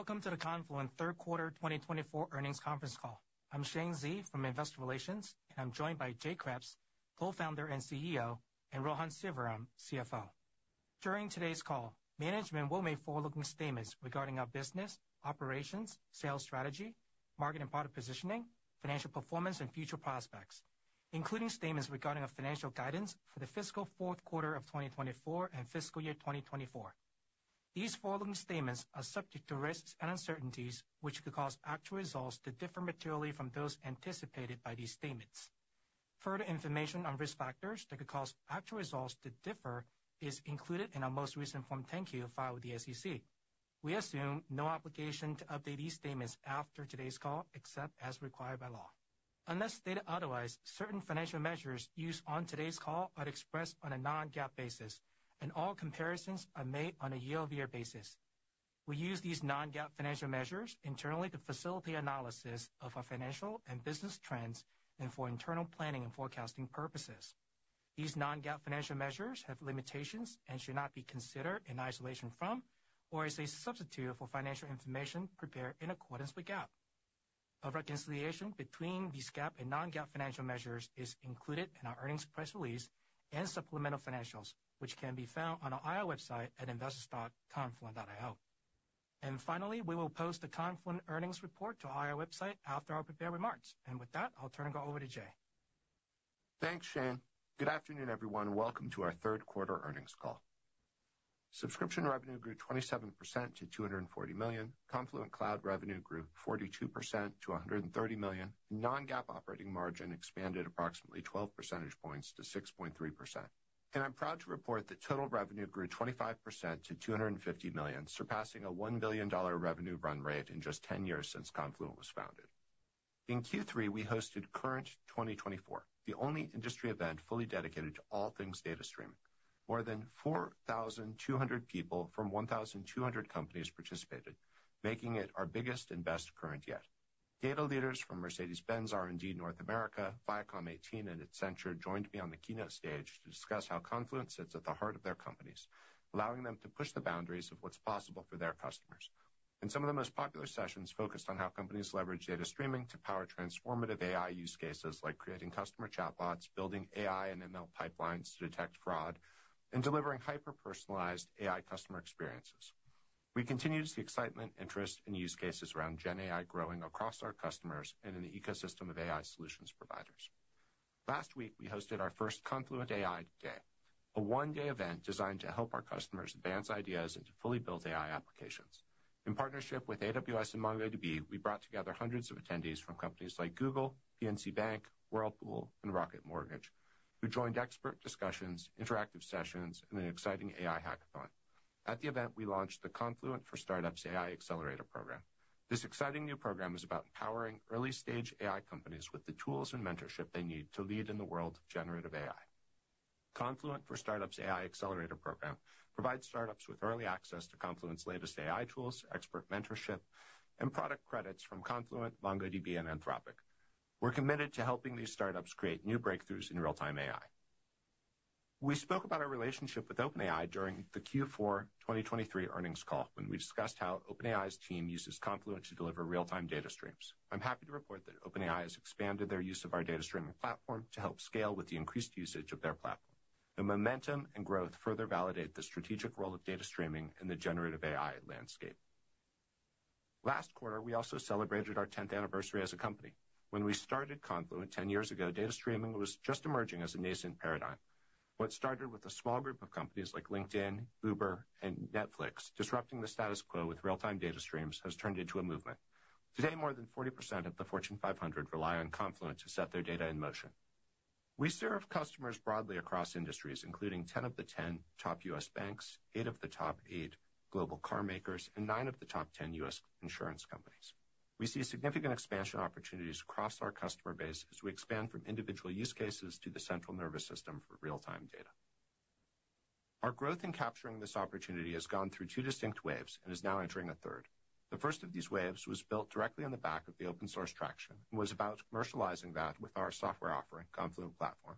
Welcome to the Confluent Third Quarter 2024 Earnings Conference Call. I'm Shane Xie from Investor Relations, and I'm joined by Jay Kreps, Co-founder and CEO, and Rohan Sivaram, CFO. During today's call, management will make forward-looking statements regarding our business, operations, sales strategy, market and product positioning, financial performance, and future prospects, including statements regarding our financial guidance for the fiscal fourth quarter of 2024 and fiscal year 2024. These forward-looking statements are subject to risks and uncertainties, which could cause actual results to differ materially from those anticipated by these statements. Further information on risk factors that could cause actual results to differ is included in our most recent Form 10-Q filed with the SEC. We assume no obligation to update these statements after today's call, except as required by law. Unless stated otherwise, certain financial measures used on today's call are expressed on a non-GAAP basis, and all comparisons are made on a year-over-year basis. We use these non-GAAP financial measures internally to facilitate analysis of our financial and business trends and for internal planning and forecasting purposes. These non-GAAP financial measures have limitations and should not be considered in isolation from or as a substitute for financial information prepared in accordance with GAAP. A reconciliation between these GAAP and non-GAAP financial measures is included in our earnings press release and supplemental financials, which can be found on our IR website at investors.confluent.io. And finally, we will post the Confluent earnings report to our IR website after our prepared remarks. And with that, I'll turn it over to Jay. Thanks, Shane. Good afternoon, everyone, and welcome to our third quarter earnings call. Subscription revenue grew 27% to $240 million, Confluent Cloud revenue grew 42% to $130 million, and non-GAAP operating margin expanded approximately 12 percentage points to 6.3%., and I'm proud to report that total revenue grew 25% to $250 million, surpassing a $1 billion revenue run rate in just 10 years since Confluent was founded. In Q3, we hosted Current 2024, the only industry event fully dedicated to all things data streaming. More than 4,200 people from 1,200 companies participated, making it our biggest and best Current yet. Data leaders from Mercedes-Benz R&D North America, Viacom18, and Accenture joined me on the keynote stage to discuss how Confluent sits at the heart of their companies, allowing them to push the boundaries of what's possible for their customers. And some of the most popular sessions focused on how companies leverage data streaming to power transformative AI use cases like creating customer chatbots, building AI and ML pipelines to detect fraud, and delivering hyper-personalized AI customer experiences. We continue to see excitement, interest, and use cases around GenAI growing across our customers and in the ecosystem of AI solutions providers. Last week, we hosted our first Confluent AI Day, a one-day event designed to help our customers advance ideas and to fully build AI applications. In partnership with AWS and MongoDB, we brought together hundreds of attendees from companies like Google, PNC Bank, Whirlpool, and Rocket Mortgage, who joined expert discussions, interactive sessions, and an exciting AI hackathon. At the event, we launched the Confluent for Startups AI Accelerator Program. This exciting new program is about empowering early-stage AI companies with the tools and mentorship they need to lead in the world of generative AI. Confluent for Startups AI Accelerator Program provides startups with early access to Confluent's latest AI tools, expert mentorship, and product credits from Confluent, MongoDB, and Anthropic. We're committed to helping these startups create new breakthroughs in real-time AI. We spoke about our relationship with OpenAI during the Q4 2023 earnings call when we discussed how OpenAI's team uses Confluent to deliver real-time data streams. I'm happy to report that OpenAI has expanded their use of our data streaming platform to help scale with the increased usage of their platform. The momentum and growth further validate the strategic role of data streaming in the generative AI landscape. Last quarter, we also celebrated our 10th anniversary as a company. When we started Confluent 10 years ago, data streaming was just emerging as a nascent paradigm. What started with a small group of companies like LinkedIn, Uber, and Netflix disrupting the status quo with real-time data streams has turned into a movement. Today, more than 40% of the Fortune 500 rely on Confluent to set their data in motion. We serve customers broadly across industries, including 10 of the 10 top U.S. banks, 8 of the top 8 global car makers, and 9 of the top 10 U.S. insurance companies. We see significant expansion opportunities across our customer base as we expand from individual use cases to the central nervous system for real-time data. Our growth in capturing this opportunity has gone through two distinct waves and is now entering a third. The first of these waves was built directly on the back of the open-source traction and was about commercializing that with our software offering, Confluent Platform.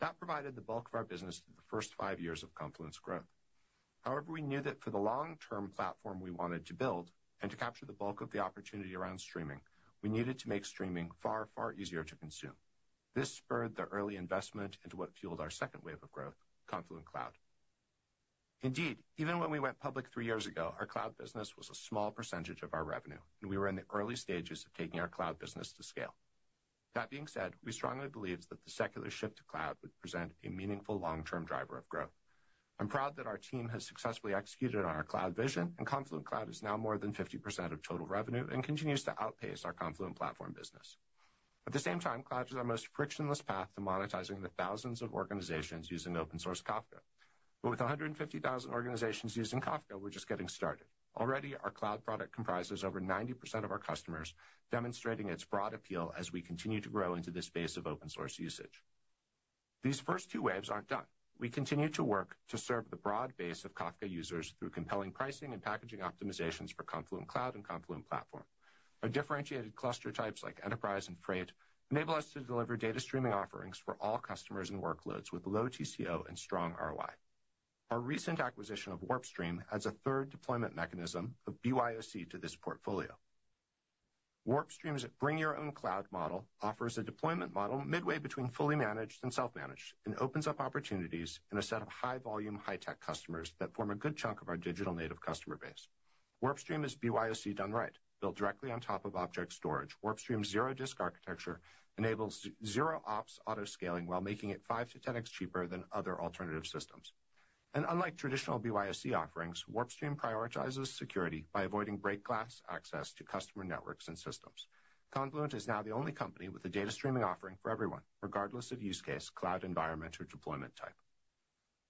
That provided the bulk of our business through the first five years of Confluent's growth. However, we knew that for the long-term platform we wanted to build and to capture the bulk of the opportunity around streaming, we needed to make streaming far, far easier to consume. This spurred the early investment into what fueled our second wave of growth, Confluent Cloud. Indeed, even when we went public three years ago, our cloud business was a small percentage of our revenue, and we were in the early stages of taking our cloud business to scale. That being said, we strongly believe that the secular shift to cloud would present a meaningful long-term driver of growth. I'm proud that our team has successfully executed on our cloud vision, and Confluent Cloud is now more than 50% of total revenue and continues to outpace our Confluent Platform business. At the same time, cloud is our most frictionless path to monetizing the thousands of organizations using open-source Kafka. But with 150,000 organizations using Kafka, we're just getting started. Already, our cloud product comprises over 90% of our customers, demonstrating its broad appeal as we continue to grow into this space of open-source usage. These first two waves aren't done. We continue to work to serve the broad base of Kafka users through compelling pricing and packaging optimizations for Confluent Cloud and Confluent Platform. Our differentiated cluster types like Enterprise and Freight enable us to deliver data streaming offerings for all customers and workloads with low TCO and strong ROI. Our recent acquisition of WarpStream adds a third deployment mechanism of BYOC to this portfolio. WarpStream's Bring Your Own Cloud model offers a deployment model midway between fully managed and self-managed and opens up opportunities in a set of high-volume, high-tech customers that form a good chunk of our digital native customer base. WarpStream is BYOC done right, built directly on top of object storage. WarpStream's zero-disk architecture enables zero-ops autoscaling while making it 5x-10x cheaper than other alternative systems. Unlike traditional BYOC offerings, WarpStream prioritizes security by avoiding break-glass access to customer networks and systems. Confluent is now the only company with a data streaming offering for everyone, regardless of use case, cloud environment, or deployment type.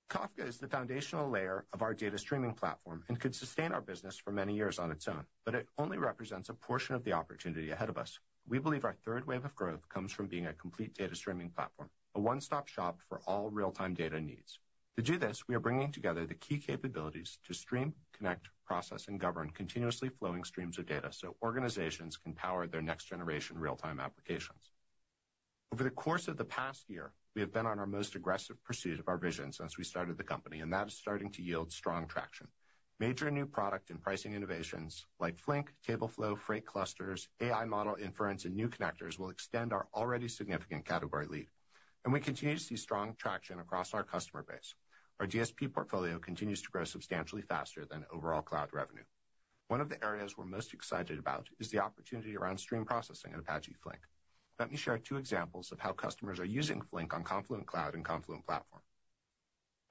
Kafka is the foundational layer of our data streaming platform and could sustain our business for many years on its own, but it only represents a portion of the opportunity ahead of us. We believe our third wave of growth comes from being a complete data streaming platform, a one-stop shop for all real-time data needs. To do this, we are bringing together the key capabilities to stream, connect, process, and govern continuously flowing streams of data so organizations can power their next-generation real-time applications. Over the course of the past year, we have been on our most aggressive pursuit of our vision since we started the company, and that is starting to yield strong traction. Major new product and pricing innovations like Flink Tableflow, Freight clusters, AI model inference, and new connectors will extend our already significant category lead. We continue to see strong traction across our customer base. Our DSP portfolio continues to grow substantially faster than overall cloud revenue. One of the areas we're most excited about is the opportunity around stream processing in Apache Flink. Let me share two examples of how customers are using Flink on Confluent Cloud and Confluent Platform.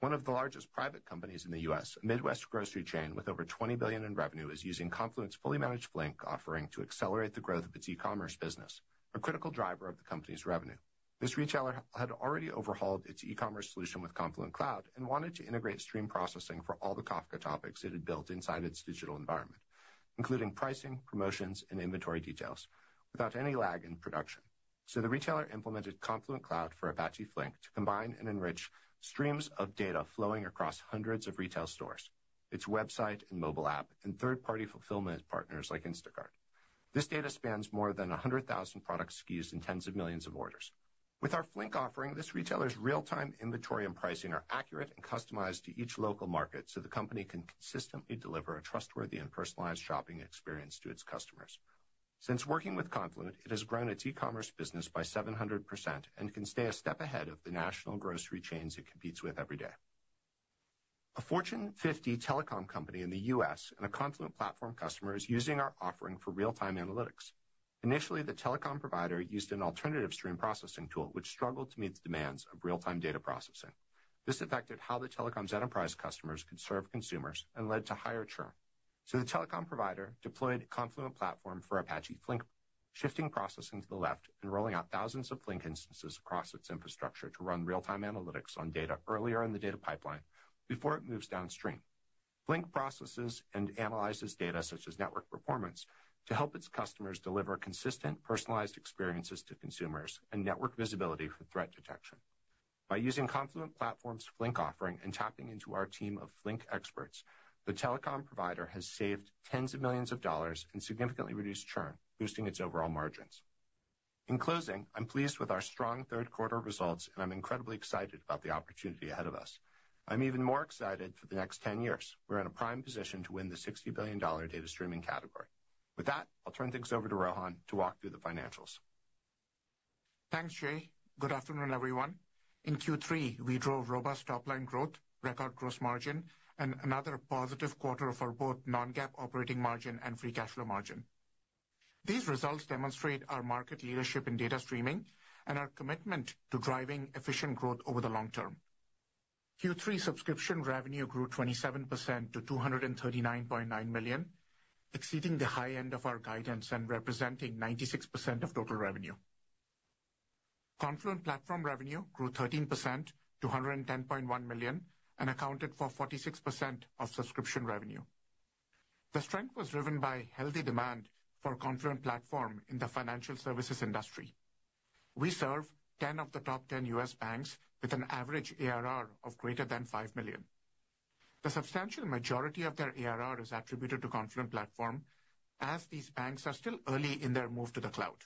One of the largest private companies in the U.S., a Midwest grocery chain with over $20 billion in revenue, is using Confluent's fully managed Flink offering to accelerate the growth of its e-commerce business, a critical driver of the company's revenue. This retailer had already overhauled its e-commerce solution with Confluent Cloud and wanted to integrate stream processing for all the Kafka topics it had built inside its digital environment, including pricing, promotions, and inventory details, without any lag in production. So the retailer implemented Confluent Cloud for Apache Flink to combine and enrich streams of data flowing across hundreds of retail stores, its website and mobile app, and third-party fulfillment partners like Instacart. This data spans more than 100,000 product SKUs and tens of millions of orders. With our Flink offering, this retailer's real-time inventory and pricing are accurate and customized to each local market so the company can consistently deliver a trustworthy and personalized shopping experience to its customers. Since working with Confluent, it has grown its e-commerce business by 700% and can stay a step ahead of the national grocery chains it competes with every day. A Fortune 50 telecom company in the U.S. and a Confluent Platform customer is using our offering for real-time analytics. Initially, the telecom provider used an alternative stream processing tool which struggled to meet the demands of real-time data processing. This affected how the telecom's enterprise customers could serve consumers and led to higher churn. So the telecom provider deployed Confluent Platform for Apache Flink, shifting processing to the left and rolling out thousands of Flink instances across its infrastructure to run real-time analytics on data earlier in the data pipeline before it moves downstream. Flink processes and analyzes data such as network performance to help its customers deliver consistent personalized experiences to consumers and network visibility for threat detection. By using Confluent Platform's Flink offering and tapping into our team of Flink experts, the telecom provider has saved tens of millions of dollars and significantly reduced churn, boosting its overall margins. In closing, I'm pleased with our strong third quarter results, and I'm incredibly excited about the opportunity ahead of us. I'm even more excited for the next 10 years. We're in a prime position to win the $60 billion data streaming category. With that, I'll turn things over to Rohan to walk through the financials. Thanks, Jay. Good afternoon, everyone. In Q3, we drove robust top-line growth, record gross margin, and another positive quarter for both non-GAAP operating margin and free cash flow margin. These results demonstrate our market leadership in data streaming and our commitment to driving efficient growth over the long term. Q3 subscription revenue grew 27% to $239.9 million, exceeding the high end of our guidance and representing 96% of total revenue. Confluent Platform revenue grew 13% to $110.1 million and accounted for 46% of subscription revenue. The strength was driven by healthy demand for Confluent Platform in the financial services industry. We serve 10 of the top 10 U.S. banks with an average ARR of greater than $5 million. The substantial majority of their ARR is attributed to Confluent Platform, as these banks are still early in their move to the cloud.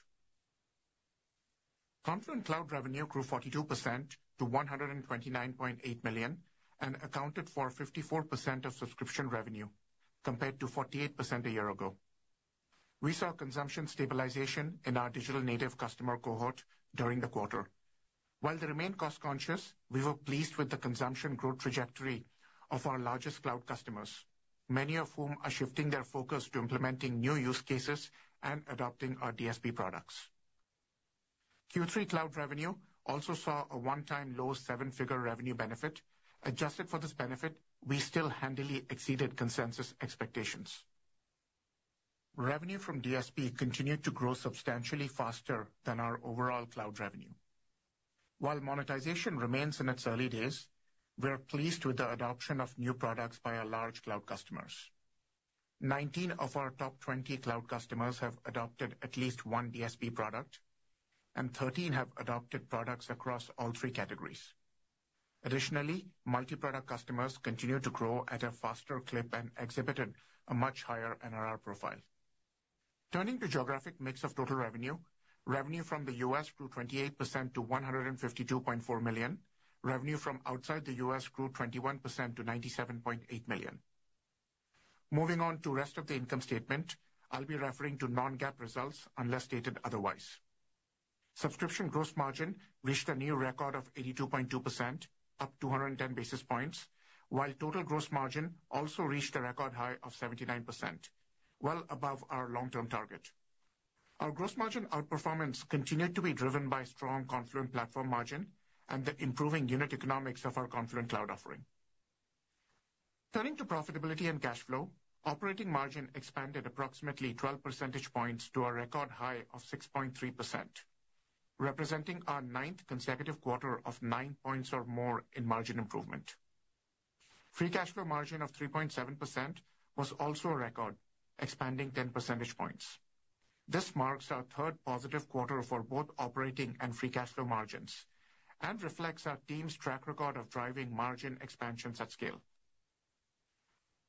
Confluent Cloud revenue grew 42% to $129.8 million and accounted for 54% of subscription revenue, compared to 48% a year ago. We saw consumption stabilization in our digital native customer cohort during the quarter. While they remain cost-conscious, we were pleased with the consumption growth trajectory of our largest cloud customers, many of whom are shifting their focus to implementing new use cases and adopting our DSP products. Q3 cloud revenue also saw a one-time low-seven-figure revenue benefit. Adjusted for this benefit, we still handily exceeded consensus expectations. Revenue from DSP continued to grow substantially faster than our overall cloud revenue. While monetization remains in its early days, we're pleased with the adoption of new products by our large cloud customers. 19 of our top 20 cloud customers have adopted at least one DSP product, and 13 have adopted products across all three categories. Additionally, multi-product customers continue to grow at a faster clip and exhibited a much higher NRR profile. Turning to geographic mix of total revenue, revenue from the U.S. grew 28% to $152.4 million. Revenue from outside the U.S. grew 21% to $97.8 million. Moving on to the rest of the income statement, I'll be referring to non-GAAP results unless stated otherwise. Subscription gross margin reached a new record of 82.2%, up 210 basis points, while total gross margin also reached a record high of 79%, well above our long-term target. Our gross margin outperformance continued to be driven by strong Confluent Platform margin and the improving unit economics of our Confluent Cloud offering. Turning to profitability and cash flow, operating margin expanded approximately 12 percentage points to a record high of 6.3%, representing our ninth consecutive quarter of nine points or more in margin improvement. Free cash flow margin of 3.7% was also a record, expanding 10 percentage points. This marks our third positive quarter for both operating and free cash flow margins and reflects our team's track record of driving margin expansions at scale.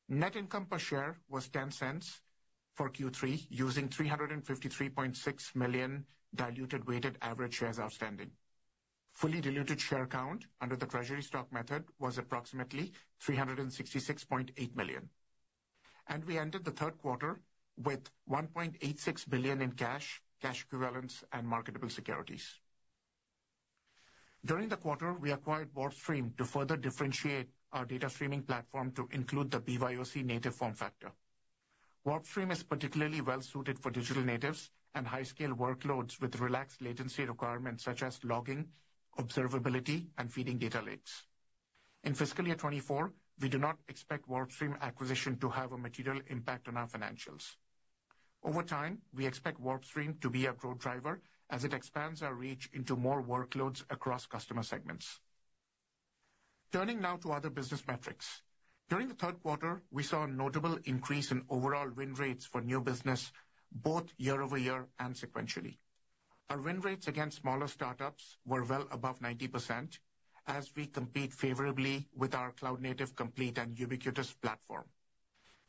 Net income per share was $0.10 for Q3, using 353.6 million diluted weighted average shares outstanding. Fully diluted share count under the treasury stock method was approximately 366.8 million. And we ended the third quarter with $1.86 billion in cash, cash equivalents, and marketable securities. During the quarter, we acquired WarpStream to further differentiate our data streaming platform to include the BYOC native form factor. WarpStream is particularly well-suited for digital natives and high-scale workloads with relaxed latency requirements such as logging, observability, and feeding data lakes. In fiscal year 2024, we do not expect WarpStream acquisition to have a material impact on our financials. Over time, we expect WarpStream to be a growth driver as it expands our reach into more workloads across customer segments. Turning now to other business metrics. During the third quarter, we saw a notable increase in overall win rates for new business, both year-over-year and sequentially. Our win rates against smaller startups were well above 90% as we compete favorably with our cloud-native complete and ubiquitous platform.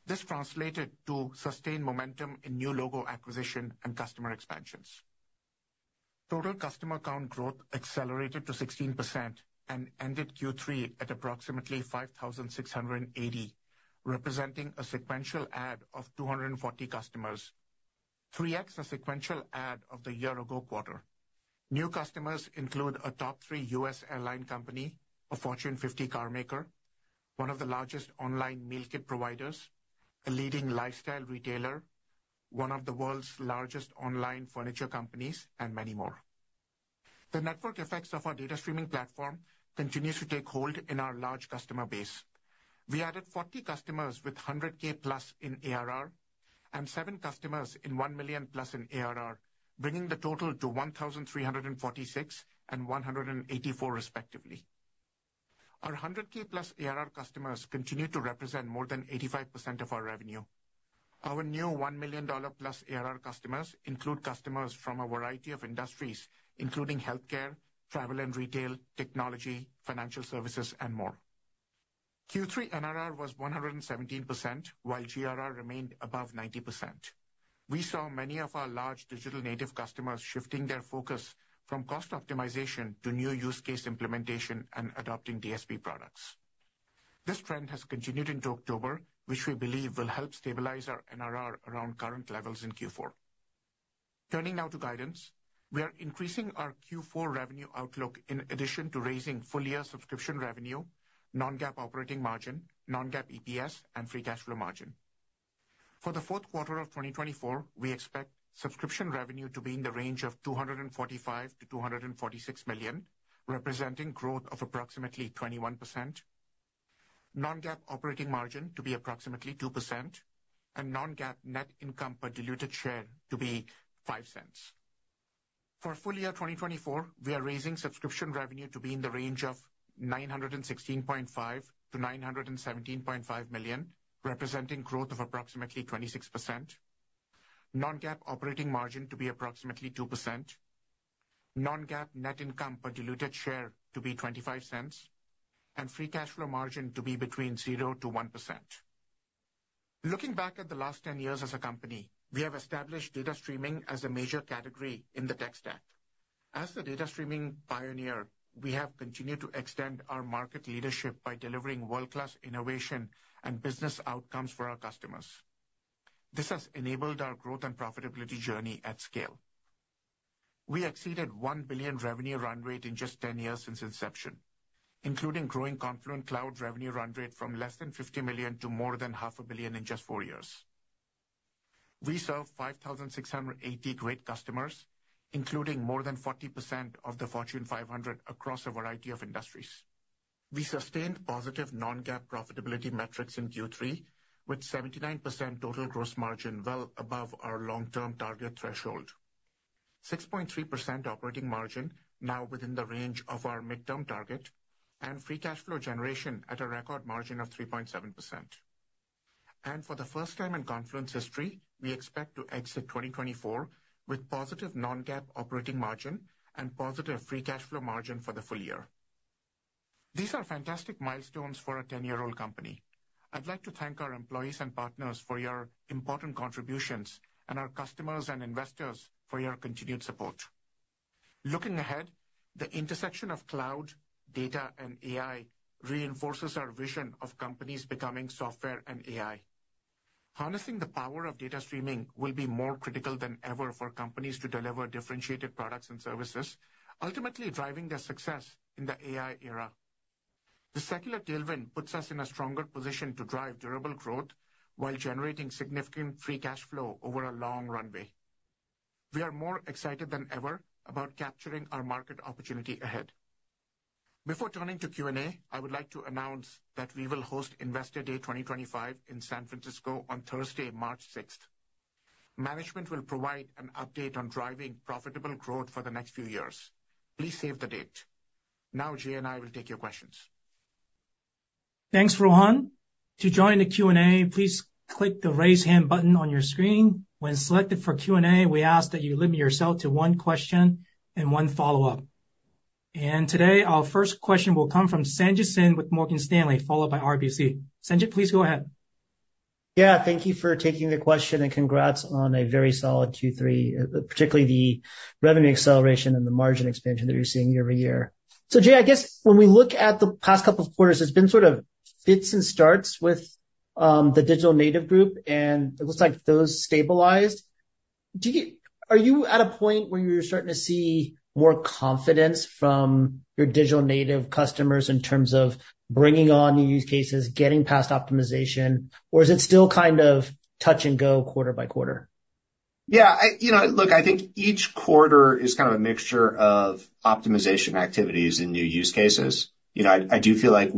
This translated to sustained momentum in new logo acquisition and customer expansions. Total customer count growth accelerated to 16% and ended Q3 at approximately 5,680, representing a sequential add of 240 customers, 3x a sequential add of the year-ago quarter. New customers include a top-three U.S. airline company, a Fortune 50 car maker, one of the largest online meal kit providers, a leading lifestyle retailer, one of the world's largest online furniture companies, and many more. The network effects of our data streaming platform continue to take hold in our large customer base. We added 40 customers with $100,000+ in ARR and 7 customers in $1 million+ in ARR, bringing the total to 1,346 and 184, respectively. Our $100,000+ ARR customers continue to represent more than 85% of our revenue. Our new $1 million+ ARR customers include customers from a variety of industries, including healthcare, travel and retail, technology, financial services, and more. Q3 NRR was 117%, while GRR remained above 90%. We saw many of our large digital native customers shifting their focus from cost optimization to new use case implementation and adopting DSP products. This trend has continued into October, which we believe will help stabilize our NRR around current levels in Q4. Turning now to guidance, we are increasing our Q4 revenue outlook in addition to raising full-year subscription revenue, non-GAAP operating margin, non-GAAP EPS, and free cash flow margin. For the fourth quarter of 2024, we expect subscription revenue to be in the range of $245 million-$246 million, representing growth of approximately 21%, non-GAAP operating margin to be approximately 2%, and non-GAAP net income per diluted share to be $0.05. For full-year 2024, we are raising subscription revenue to be in the range of $916.5 million-$917.5 million, representing growth of approximately 26%, non-GAAP operating margin to be approximately 2%, non-GAAP net income per diluted share to be $0.25, and free cash flow margin to be between 0%-1%. Looking back at the last 10 years as a company, we have established data streaming as a major category in the tech stack. As the data streaming pioneer, we have continued to extend our market leadership by delivering world-class innovation and business outcomes for our customers. This has enabled our growth and profitability journey at scale. We exceeded $1 billion revenue run rate in just 10 years since inception, including growing Confluent Cloud revenue run rate from less than $50 million to more than $500 million in just four years. We serve 5,680 great customers, including more than 40% of the Fortune 500 across a variety of industries. We sustained positive non-GAAP profitability metrics in Q3, with 79% total gross margin well above our long-term target threshold, 6.3% operating margin now within the range of our midterm target, and free cash flow generation at a record margin of 3.7%. And for the first time in Confluent's history, we expect to exit 2024 with positive Non-GAAP operating margin and positive free cash flow margin for the full year. These are fantastic milestones for a 10-year-old company. I'd like to thank our employees and partners for your important contributions and our customers and investors for your continued support. Looking ahead, the intersection of cloud, data, and AI reinforces our vision of companies becoming software and AI. Harnessing the power of data streaming will be more critical than ever for companies to deliver differentiated products and services, ultimately driving their success in the AI era. The secular tailwind puts us in a stronger position to drive durable growth while generating significant free cash flow over a long runway. We are more excited than ever about capturing our market opportunity ahead. Before turning to Q&A, I would like to announce that we will host Investor Day 2025 in San Francisco on Thursday, March 6th. Management will provide an update on driving profitable growth for the next few years. Please save the date. Now, Jay and I will take your questions. Thanks, Rohan. To join the Q&A, please click the raise hand button on your screen. When selected for Q&A, we ask that you limit yourself to one question and one follow-up. And today, our first question will come from Sanjit Singh with Morgan Stanley, followed by RBC. Sanjit, please go ahead. Yeah, thank you for taking the question and congrats on a very solid Q3, particularly the revenue acceleration and the margin expansion that you're seeing year-over-year. So, Jay, I guess when we look at the past couple of quarters, there's been sort of fits and starts with the digital native group, and it looks like those stabilized. Are you at a point where you're starting to see more confidence from your digital native customers in terms of bringing on new use cases, getting past optimization, or is it still kind of touch and go quarter by quarter? Yeah, you know, look, I think each quarter is kind of a mixture of optimization activities and new use cases. You know, I do feel like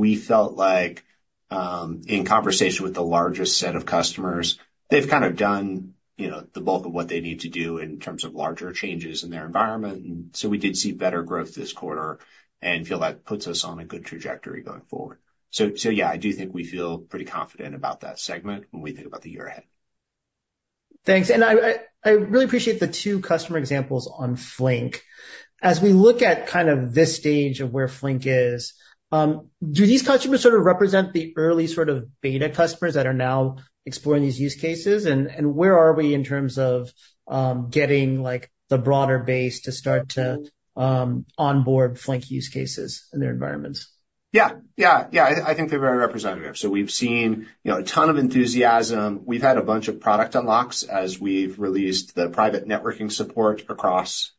in conversation with the largest set of customers, they've kind of done the bulk of what they need to do in terms of larger changes in their environment. And so we did see better growth this quarter and feel that puts us on a good trajectory going forward. So, yeah, I do think we feel pretty confident about that segment when we think about the year ahead. Thanks. And I really appreciate the two customer examples on Flink. As we look at kind of this stage of where Flink is, do these customers sort of represent the early sort of beta customers that are now exploring these use cases? And where are we in terms of getting the broader base to start to onboard Flink use cases in their environments? Yeah, yeah, yeah. I think they're very representative. So we've seen a ton of enthusiasm. We've had a bunch of product unlocks as we've released the private networking support across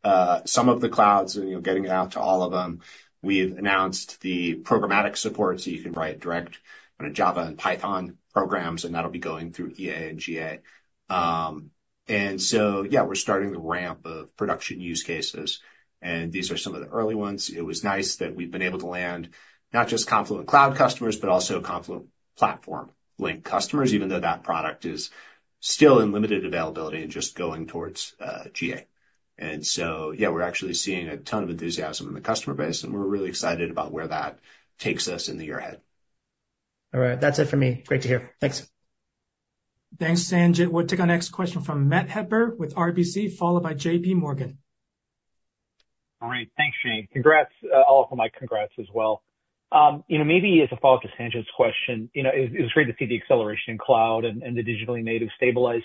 some of the clouds and getting it out to all of them. We've announced the programmatic support so you can write direct kind of Java and Python programs, and that'll be going through EA and GA. And so, yeah, we're starting the ramp of production use cases. And these are some of the early ones. It was nice that we've been able to land not just Confluent Cloud customers, but also Confluent Platform Flink customers, even though that product is still in limited availability and just going towards GA. And so, yeah, we're actually seeing a ton of enthusiasm in the customer base, and we're really excited about where that takes us in the year ahead. All right. That's it for me. Great to hear. Thanks. Thanks, Sanjit. We'll take our next question from Matt Hedberg with RBC, followed by JPMorgan. Great. Thanks, Shane. Congrats. I'll offer my congrats as well. Maybe as a follow-up to Sanjit's question, it was great to see the acceleration in cloud and the digitally native stabilize.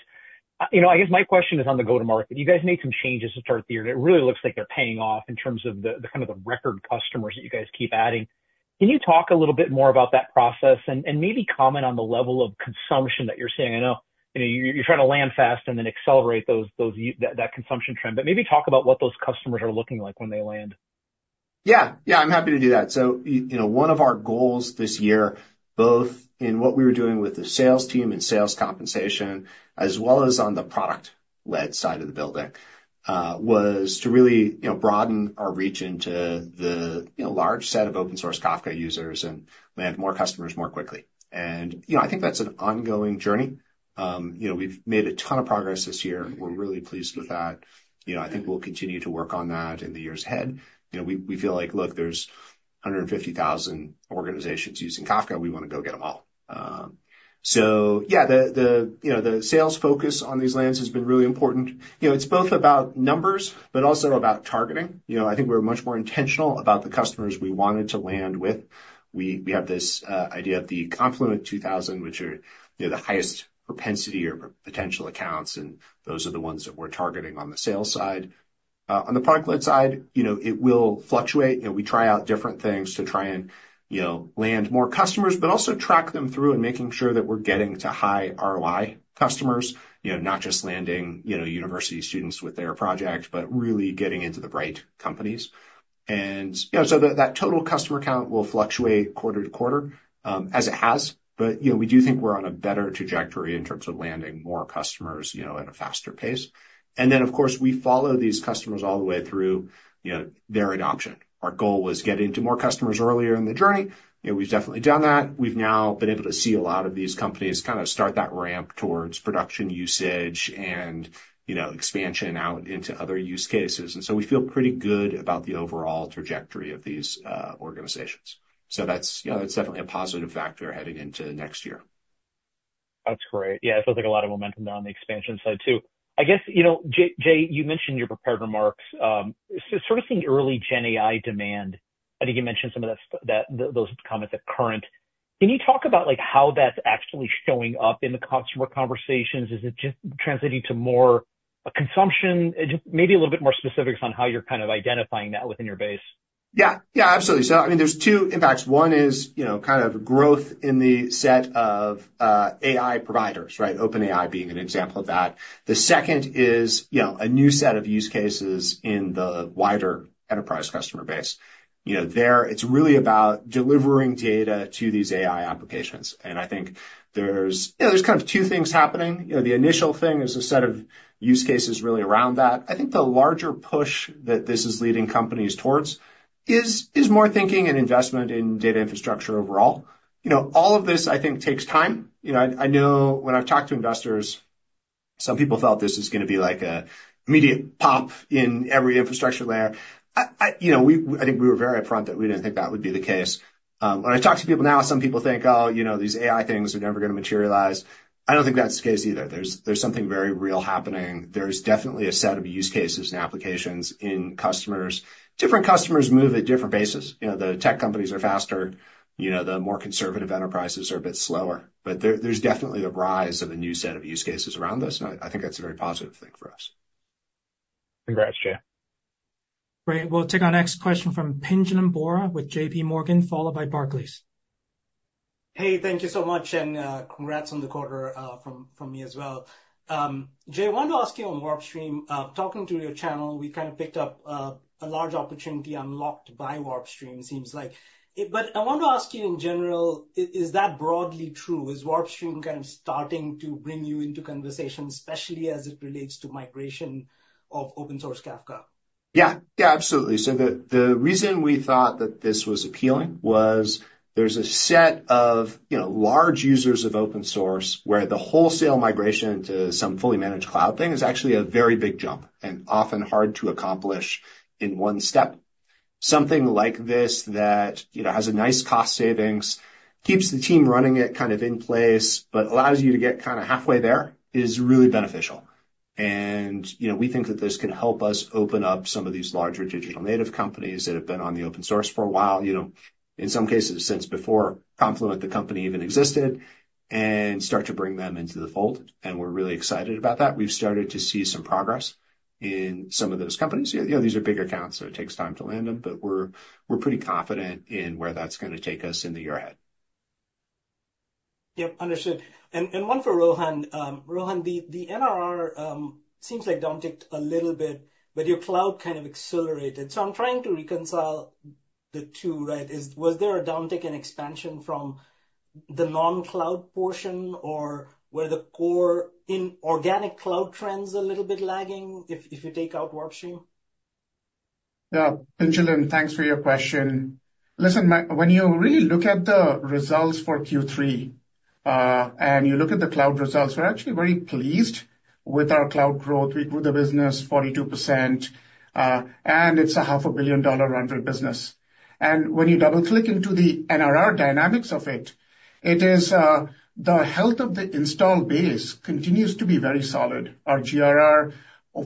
I guess my question is on the go-to-market. You guys made some changes to start the year, and it really looks like they're paying off in terms of the kind of record customers that you guys keep adding. Can you talk a little bit more about that process and maybe comment on the level of consumption that you're seeing? I know you're trying to land fast and then accelerate that consumption trend, but maybe talk about what those customers are looking like when they land? Yeah, yeah, I'm happy to do that. So one of our goals this year, both in what we were doing with the sales team and sales compensation, as well as on the product-led side of the building, was to really broaden our reach into the large set of open-source Kafka users and land more customers more quickly. And I think that's an ongoing journey. We've made a ton of progress this year. We're really pleased with that. I think we'll continue to work on that in the years ahead. We feel like, look, there's 150,000 organizations using Kafka. We want to go get them all. So, yeah, the sales focus on these lands has been really important. It's both about numbers, but also about targeting. I think we're much more intentional about the customers we wanted to land with. We have this idea of the Confluent 2000, which are the highest propensity or potential accounts, and those are the ones that we're targeting on the sales side. On the product-led side, it will fluctuate. We try out different things to try and land more customers, but also track them through and making sure that we're getting to high ROI customers, not just landing university students with their projects, but really getting into the right companies. And so that total customer count will fluctuate quarter to quarter as it has, but we do think we're on a better trajectory in terms of landing more customers at a faster pace. And then, of course, we follow these customers all the way through their adoption. Our goal was getting to more customers earlier in the journey. We've definitely done that. We've now been able to see a lot of these companies kind of start that ramp towards production usage and expansion out into other use cases, and so we feel pretty good about the overall trajectory of these organizations, so that's definitely a positive factor heading into next year. That's great. Yeah, it feels like a lot of momentum there on the expansion side too. I guess, Jay, you mentioned your prepared remarks. Sort of seeing early GenAI demand. I think you mentioned some of those comments at Current. Can you talk about how that's actually showing up in the customer conversations? Is it just translating to more consumption? Maybe a little bit more specifics on how you're kind of identifying that within your base? Yeah, yeah, absolutely. So, I mean, there's two impacts. One is kind of growth in the set of AI providers, right? OpenAI being an example of that. The second is a new set of use cases in the wider enterprise customer base. There, it's really about delivering data to these AI applications. And I think there's kind of two things happening. The initial thing is a set of use cases really around that. I think the larger push that this is leading companies towards is more thinking and investment in data infrastructure overall. All of this, I think, takes time. I know when I've talked to investors, some people felt this is going to be like an immediate pop in every infrastructure layer. I think we were very upfront that we didn't think that would be the case. When I talk to people now, some people think, "Oh, you know, these AI things are never going to materialize." I don't think that's the case either. There's something very real happening. There's definitely a set of use cases and applications in customers. Different customers move at different paces. The tech companies are faster. The more conservative enterprises are a bit slower. But there's definitely the rise of a new set of use cases around this. And I think that's a very positive thing for us. Congrats, Jay. Great. We'll take our next question from Pinjalim Bora with JPMorgan, followed by Barclays. Hey, thank you so much. And congrats on the quarter from me as well. Jay, I wanted to ask you on WarpStream, talking to your channel, we kind of picked up a large opportunity unlocked by WarpStream, seems like. But I want to ask you in general, is that broadly true? Is WarpStream kind of starting to bring you into conversation, especially as it relates to migration of open-source Kafka? Yeah, yeah, absolutely. So the reason we thought that this was appealing was there's a set of large users of open source where the wholesale migration to some fully managed cloud thing is actually a very big jump and often hard to accomplish in one step. Something like this that has a nice cost savings, keeps the team running it kind of in place, but allows you to get kind of halfway there is really beneficial. And we think that this can help us open up some of these larger digital native companies that have been on the open source for a while, in some cases since before Confluent the company even existed, and start to bring them into the fold. And we're really excited about that. We've started to see some progress in some of those companies. These are big accounts, so it takes time to land them, but we're pretty confident in where that's going to take us in the year ahead. Yep, understood, and one for Rohan. Rohan, the NRR seems like downticked a little bit, but your cloud kind of accelerated, so I'm trying to reconcile the two, right? Was there a downtick in expansion from the non-cloud portion, or were the core in organic cloud trends a little bit lagging if you take out WarpStream? Yeah, Pinjalim, thanks for your question. Listen, when you really look at the results for Q3 and you look at the cloud results, we're actually very pleased with our cloud growth. We grew the business 42%, and it's a $500 million runway business, and when you double-click into the NRR dynamics of it, the health of the install base continues to be very solid. Our GRR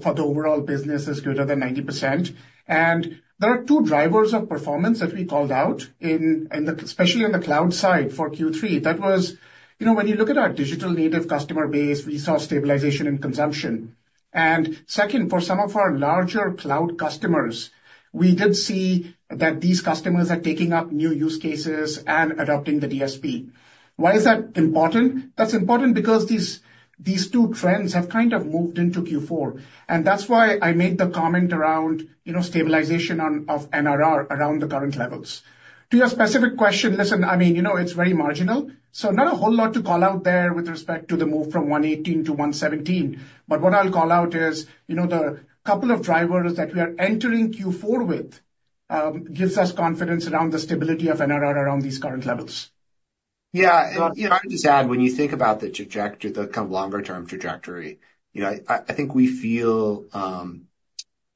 for the overall business is greater than 90%, and there are two drivers of performance that we called out, especially on the cloud side for Q3. That was when you look at our digital native customer base, we saw stabilization in consumption, and second, for some of our larger cloud customers, we did see that these customers are taking up new use cases and adopting the DSP. Why is that important? That's important because these two trends have kind of moved into Q4, and that's why I made the comment around stabilization of NRR around the current levels. To your specific question, listen, I mean, it's very marginal, so not a whole lot to call out there with respect to the move from 118% to 117%, but what I'll call out is the couple of drivers that we are entering Q4 with gives us confidence around the stability of NRR around these current levels. And I would just add, when you think about the trajectory, the kind of longer-term trajectory, I think we feel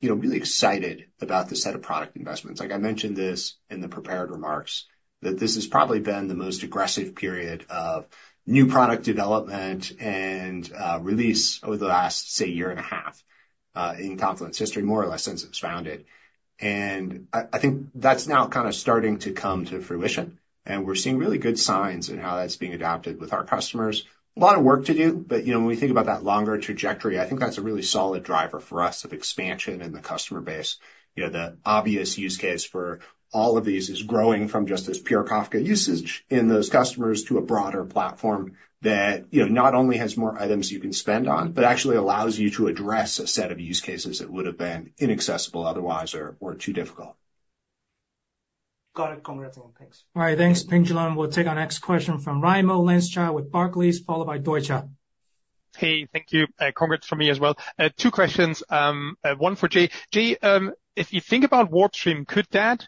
really excited about the set of product investments. Like I mentioned this in the prepared remarks, that this has probably been the most aggressive period of new product development and release over the last, say, year and a half in Confluent history, more or less since it was founded. And I think that's now kind of starting to come to fruition. And we're seeing really good signs in how that's being adapted with our customers. A lot of work to do, but when we think about that longer trajectory, I think that's a really solid driver for us of expansion in the customer base. The obvious use case for all of these is growing from just this pure Kafka usage in those customers to a broader platform that not only has more items you can spend on, but actually allows you to address a set of use cases that would have been inaccessible otherwise or too difficult. Got it. Congrats on that. Thanks. All right. Thanks, Pinjalim. We'll take our next question from Raimo Lenschow with Barclays, followed by Deutsche. Hey, thank you. Congrats from me as well. Two questions. One for Jay. Jay, if you think about WarpStream, could that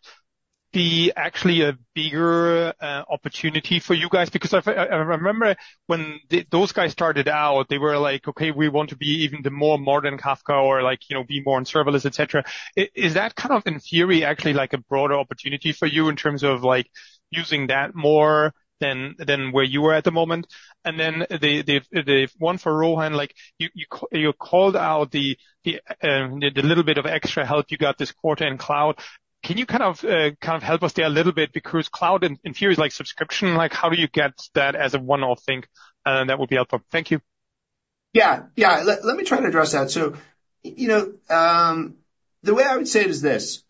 be actually a bigger opportunity for you guys? Because I remember when those guys started out, they were like, "Okay, we want to be even the more modern Kafka or be more on serverless," etc. Is that kind of, in theory, actually like a broader opportunity for you in terms of using that more than where you were at the moment? And then one for Rohan. You called out the little bit of extra help you got this quarter in cloud. Can you kind of help us there a little bit? Because cloud, in theory, is like subscription. How do you get that as a one-off thing? And that would be helpful. Thank you. Yeah, yeah. Let me try to address that. So the way I would say it is this: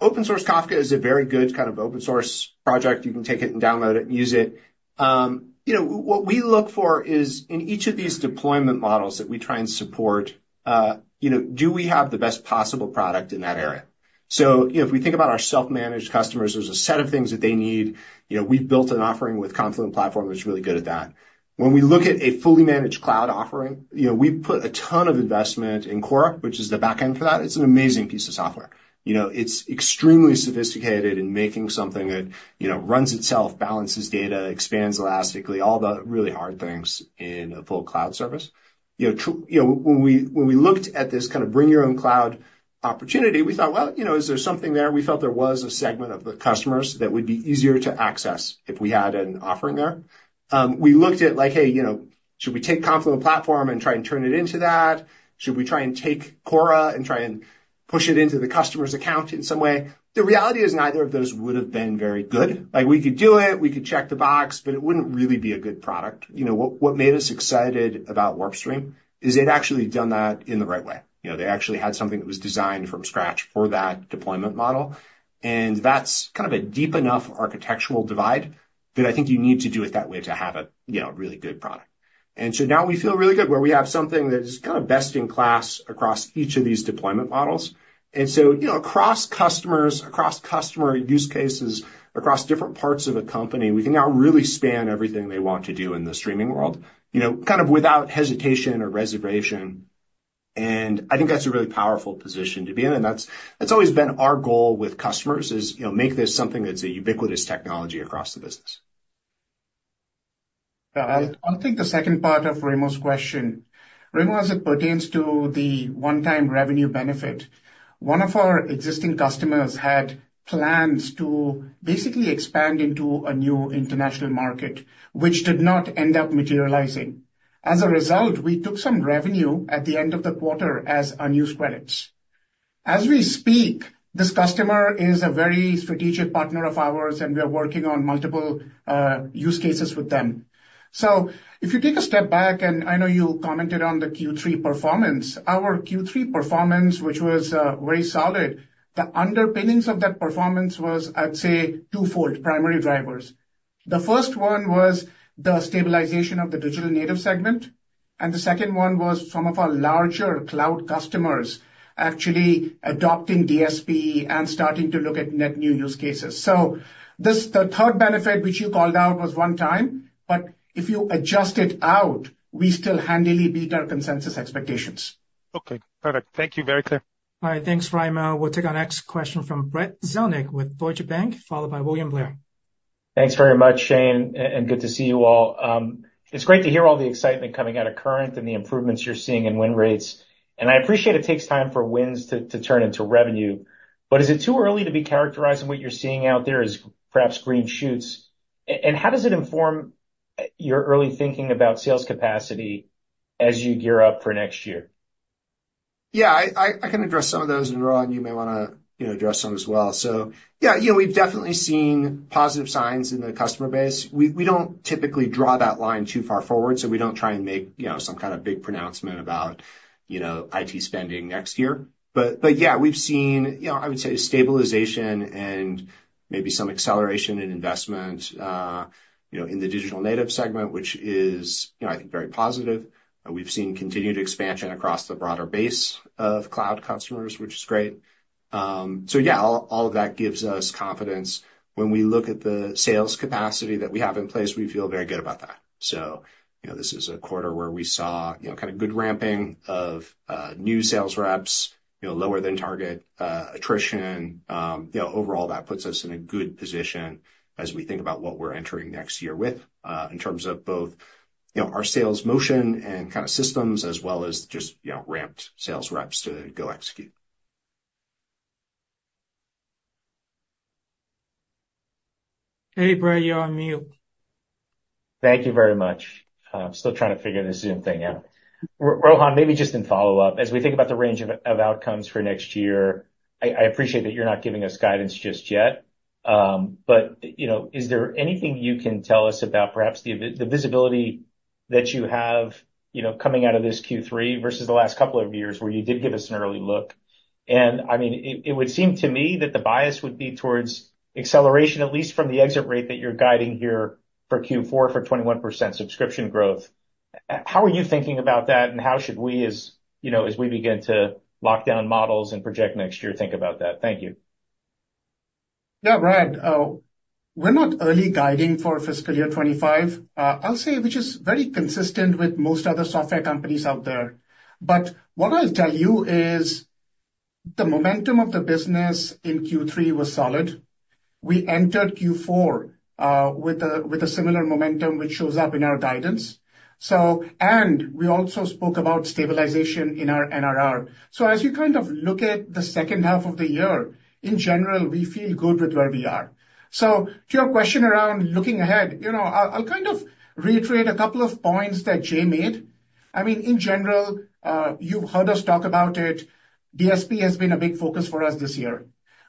Open-source Kafka is a very good kind of open-source project. You can take it and download it and use it. What we look for is, in each of these deployment models that we try and support, do we have the best possible product in that area? So if we think about our self-managed customers, there's a set of things that they need. We've built an offering with Confluent Platform that's really good at that. When we look at a fully managed cloud offering, we've put a ton of investment in Kora, which is the backend for that. It's an amazing piece of software. It's extremely sophisticated in making something that runs itself, balances data, expands elastically, all the really hard things in a full cloud service. When we looked at this kind of bring-your-own-cloud opportunity, we thought, "Well, is there something there?" We felt there was a segment of the customers that would be easier to access if we had an offering there. We looked at like, "Hey, should we take Confluent Platform and try and turn it into that? Should we try and take Kora and try and push it into the customer's account in some way?" The reality is neither of those would have been very good. We could do it. We could check the box, but it wouldn't really be a good product. What made us excited about WarpStream is they'd actually done that in the right way. They actually had something that was designed from scratch for that deployment model. And that's kind of a deep enough architectural divide that I think you need to do it that way to have a really good product. And so now we feel really good where we have something that is kind of best in class across each of these deployment models. And so across customers, across customer use cases, across different parts of a company, we can now really span everything they want to do in the streaming world kind of without hesitation or reservation. And I think that's a really powerful position to be in. And that's always been our goal with customers is make this something that's a ubiquitous technology across the business. I'll take the second part of Raimo's question. Raimo, as it pertains to the one-time revenue benefit, one of our existing customers had plans to basically expand into a new international market, which did not end up materializing. As a result, we took some revenue at the end of the quarter as unused credits. As we speak, this customer is a very strategic partner of ours, and we are working on multiple use cases with them. So if you take a step back, and I know you commented on the Q3 performance, our Q3 performance, which was very solid, the underpinnings of that performance was, I'd say, twofold primary drivers. The first one was the stabilization of the digital native segment. And the second one was some of our larger cloud customers actually adopting DSP and starting to look at net new use cases. So the third benefit, which you called out, was one time, but if you adjust it out, we still handily beat our consensus expectations. Okay. Perfect. Thank you very much. All right. Thanks, Raimo. We'll take our next question from Brad Zelnick with Deutsche Bank, followed by William Blair. Thanks very much, Shane. And good to see you all. It's great to hear all the excitement coming out of Current and the improvements you're seeing in win rates. And I appreciate it takes time for wins to turn into revenue. But is it too early to be characterizing what you're seeing out there as perhaps green shoots? And how does it inform your early thinking about sales capacity as you gear up for next year? Yeah, I can address some of those. And Rohan, you may want to address some as well. So yeah, we've definitely seen positive signs in the customer base. We don't typically draw that line too far forward, so we don't try and make some kind of big pronouncement about IT spending next year. But yeah, we've seen, I would say, stabilization and maybe some acceleration in investment in the digital native segment, which is, I think, very positive. We've seen continued expansion across the broader base of cloud customers, which is great. So yeah, all of that gives us confidence. When we look at the sales capacity that we have in place, we feel very good about that. So this is a quarter where we saw kind of good ramping of new sales reps, lower-than-target attrition. Overall, that puts us in a good position as we think about what we're entering next year with in terms of both our sales motion and kind of systems, as well as just ramped sales reps to go execute. Hey, Brad, you're on mute. Thank you very much. I'm still trying to figure this Zoom thing out. Rohan, maybe just in follow-up, as we think about the range of outcomes for next year, I appreciate that you're not giving us guidance just yet. But is there anything you can tell us about perhaps the visibility that you have coming out of this Q3 versus the last couple of years where you did give us an early look? And I mean, it would seem to me that the bias would be towards acceleration, at least from the exit rate that you're guiding here for Q4 for 21% subscription growth. How are you thinking about that, and how should we, as we begin to lock down models and project next year, think about that? Thank you. Yeah, Brad, we're not early guiding for fiscal year 2025, I'll say, which is very consistent with most other software companies out there, but what I'll tell you is the momentum of the business in Q3 was solid. We entered Q4 with a similar momentum, which shows up in our guidance, and we also spoke about stabilization in our NRR, so as you kind of look at the second half of the year, in general, we feel good with where we are, so to your question around looking ahead, I'll kind of reiterate a couple of points that Jay made. I mean, in general, you've heard us talk about it. DSP has been a big focus for us this year.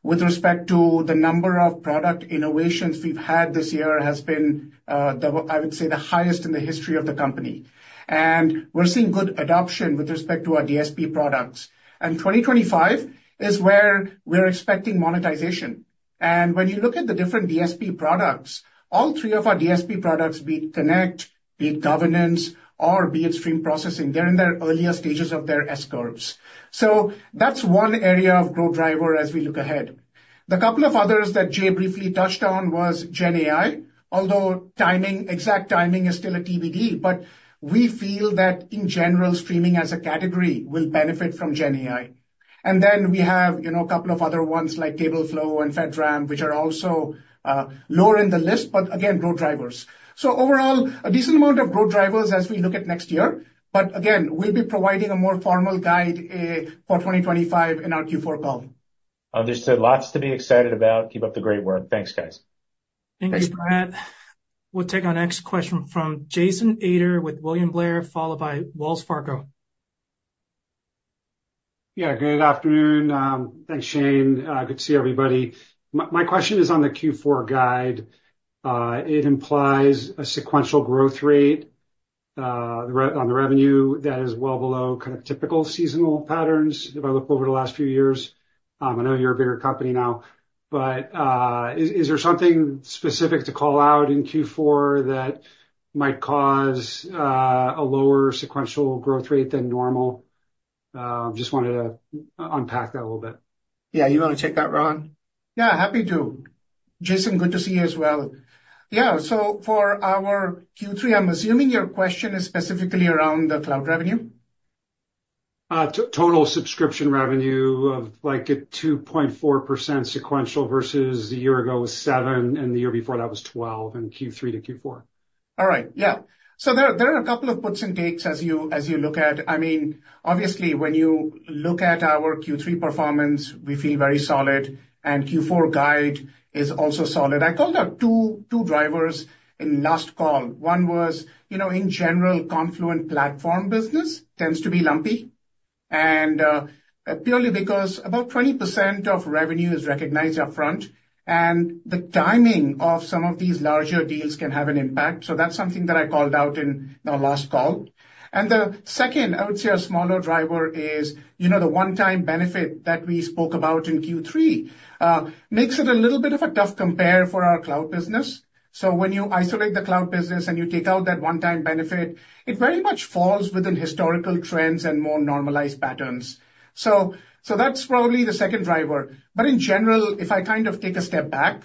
With respect to the number of product innovations we've had this year has been, I would say, the highest in the history of the company. We're seeing good adoption with respect to our DSP products. 2025 is where we're expecting monetization. When you look at the different DSP products, all three of our DSP products, be it Connect, be it Governance, or be it Stream Processing, they're in their earlier stages of their S-Curves. That's one area of growth driver as we look ahead. The couple of others that Jay briefly touched on was GenAI, although exact timing is still a TBD, but we feel that, in general, streaming as a category will benefit from GenAI. Then we have a couple of other ones like Tableflow and FedRAMP, which are also lower in the list, but again, growth drivers. Overall, a decent amount of growth drivers as we look at next year. But again, we'll be providing a more formal guide for 2025 in our Q4 call. There's still lots to be excited about. Keep up the great work. Thanks, guys. Thank you, Brad. We'll take our next question from Jason Ader with William Blair, followed by Wells Fargo. Yeah, good afternoon. Thanks, Shane. Good to see everybody. My question is on the Q4 guide. It implies a sequential growth rate on the revenue that is well below kind of typical seasonal patterns if I look over the last few years. I know you're a bigger company now, but is there something specific to call out in Q4 that might cause a lower sequential growth rate than normal? Just wanted to unpack that a little bit. Yeah, you want to take that, Rohan? Yeah, happy to. Jason, good to see you as well. Yeah, so for our Q3, I'm assuming your question is specifically around the cloud revenue? Total subscription revenue of like a 2.4% sequential versus the year ago was 7%, and the year before, that was 12% in Q3 to Q4. All right. Yeah. So there are a couple of puts and takes as you look at. I mean, obviously, when you look at our Q3 performance, we feel very solid, and Q4 guide is also solid. I called out two drivers in last call. One was, in general, Confluent Platform business tends to be lumpy, and purely because about 20% of revenue is recognized upfront, and the timing of some of these larger deals can have an impact. So that's something that I called out in our last call, and the second, I would say, a smaller driver is the one-time benefit that we spoke about in Q3 makes it a little bit of a tough compare for our cloud business. So when you isolate the cloud business and you take out that one-time benefit, it very much falls within historical trends and more normalized patterns. So that's probably the second driver. But in general, if I kind of take a step back,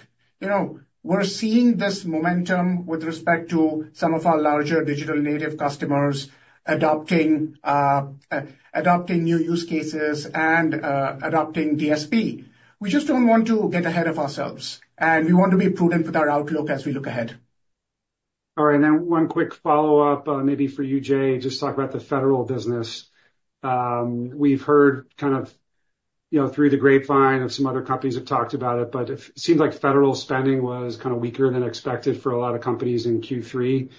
we're seeing this momentum with respect to some of our larger digital native customers adopting new use cases and adopting DSP. We just don't want to get ahead of ourselves. And we want to be prudent with our outlook as we look ahead. All right. And then one quick follow-up, maybe for you, Jay, just talk about the federal business. We've heard kind of through the grapevine of some other companies have talked about it, but it seemed like federal spending was kind of weaker than expected for a lot of companies in Q3.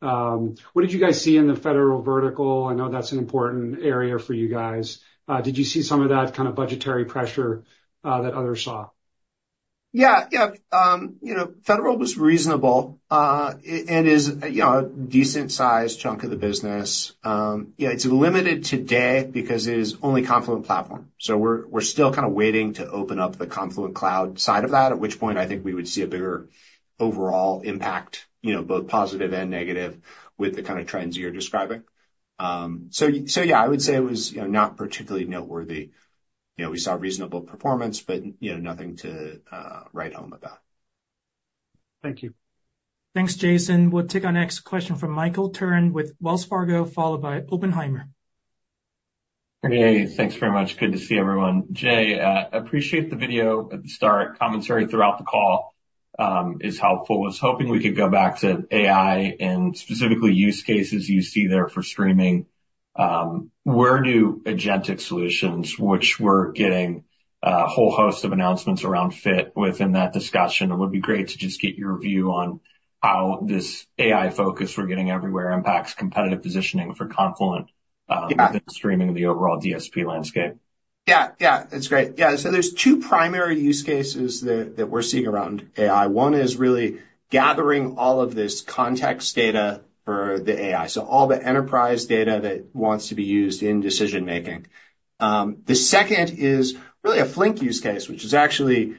What did you guys see in the federal vertical? I know that's an important area for you guys. Did you see some of that kind of budgetary pressure that others saw? Yeah, yeah. FedRAMP was reasonable. It is a decent-sized chunk of the business. It's limited today because it is only Confluent Platform. So we're still kind of waiting to open up the Confluent Cloud side of that, at which point I think we would see a bigger overall impact, both positive and negative, with the kind of trends you're describing. So yeah, I would say it was not particularly noteworthy. We saw reasonable performance, but nothing to write home about. Thank you. Thanks, Jason. We'll take our next question from Michael Turrin with Wells Fargo, followed by Oppenheimer. Hey, thanks very much. Good to see everyone. Jay, I appreciate the video at the start. Commentary throughout the call is helpful. I was hoping we could go back to AI and specifically use cases you see there for streaming. Where do agentic solutions, which we're getting a whole host of announcements around fit within that discussion? It would be great to just get your view on how this AI focus we're getting everywhere impacts competitive positioning for Confluent within streaming and the overall DSP landscape. Yeah, yeah. That's great. Yeah. So there's two primary use cases that we're seeing around AI. One is really gathering all of this context data for the AI. So all the enterprise data that wants to be used in decision-making. The second is really a Flink use case, which is actually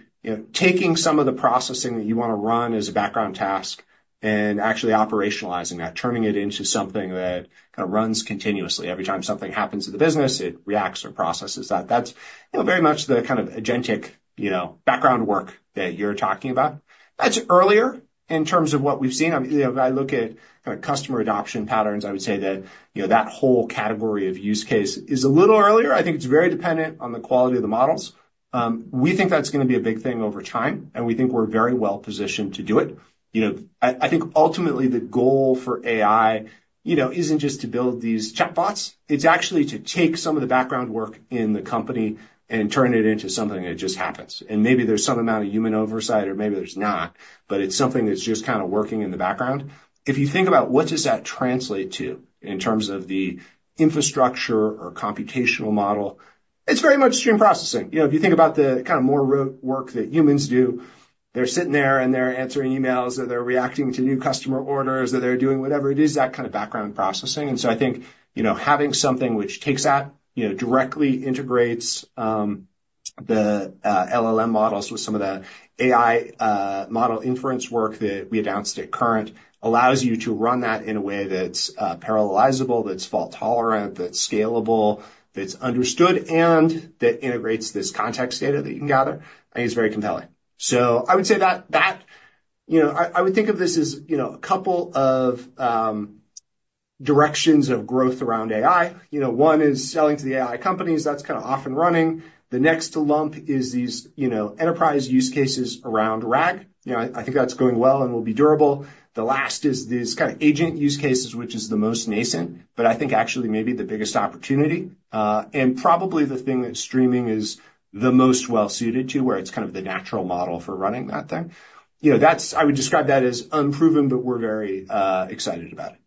taking some of the processing that you want to run as a background task and actually operationalizing that, turning it into something that kind of runs continuously. Every time something happens to the business, it reacts or processes that. That's very much the kind of agentic background work that you're talking about. That's earlier in terms of what we've seen. If I look at kind of customer adoption patterns, I would say that that whole category of use case is a little earlier. I think it's very dependent on the quality of the models. We think that's going to be a big thing over time, and we think we're very well positioned to do it. I think ultimately, the goal for AI isn't just to build these chatbots. It's actually to take some of the background work in the company and turn it into something that just happens, and maybe there's some amount of human oversight, or maybe there's not, but it's something that's just kind of working in the background. If you think about what does that translate to in terms of the infrastructure or computational model, it's very much stream processing. If you think about the kind of more rote work that humans do, they're sitting there and they're answering emails, or they're reacting to new customer orders, or they're doing whatever it is, that kind of background processing. I think having something which takes that, directly integrates the LLM models with some of the AI model inference work that we announced at Current, allows you to run that in a way that's parallelizable, that's fault tolerant, that's scalable, that's understood, and that integrates this context data that you can gather. I think it's very compelling. I would say that I would think of this as a couple of directions of growth around AI. One is selling to the AI companies. That's kind of off and running. The next lump is these enterprise use cases around RAG. I think that's going well and will be durable. The last is these kind of agent use cases, which is the most nascent, but I think actually maybe the biggest opportunity. Probably the thing that streaming is the most well-suited to, where it's kind of the natural model for running that thing. I would describe that as unproven, but we're very excited about it.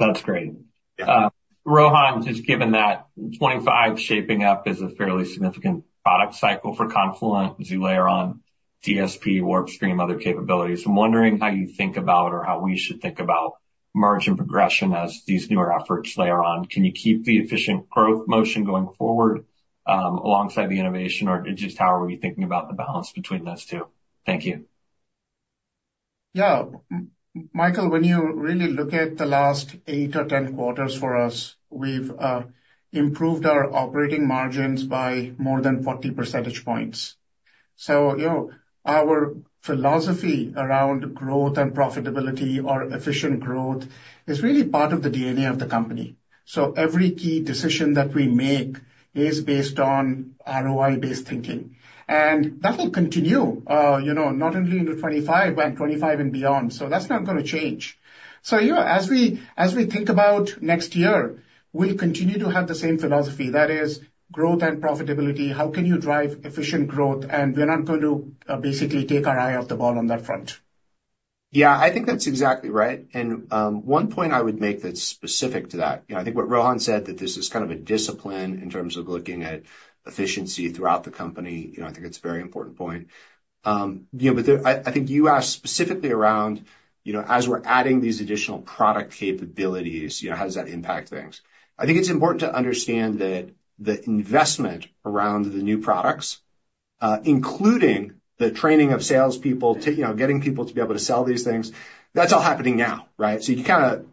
That's great. Rohan, just given that 2025 shaping up as a fairly significant product cycle for Confluent, as you layer on DSP, WarpStream, other capabilities, I'm wondering how you think about or how we should think about margin and progression as these newer efforts layer on. Can you keep the efficient growth motion going forward alongside the innovation, or just how are we thinking about the balance between those two? Thank you. Yeah. Michael, when you really look at the last eight or 10 quarters for us, we've improved our operating margins by more than 40 percentage points. So our philosophy around growth and profitability or efficient growth is really part of the DNA of the company. So every key decision that we make is based on ROI-based thinking. And that will continue not only into 2025, but 2025 and beyond. So that's not going to change. So as we think about next year, we'll continue to have the same philosophy. That is growth and profitability. How can you drive efficient growth? And we're not going to basically take our eye off the ball on that front. Yeah, I think that's exactly right. And one point I would make that's specific to that. I think what Rohan said, that this is kind of a discipline in terms of looking at efficiency throughout the company. I think it's a very important point. But I think you asked specifically around, as we're adding these additional product capabilities, how does that impact things? I think it's important to understand that the investment around the new products, including the training of salespeople, getting people to be able to sell these things, that's all happening now, right? So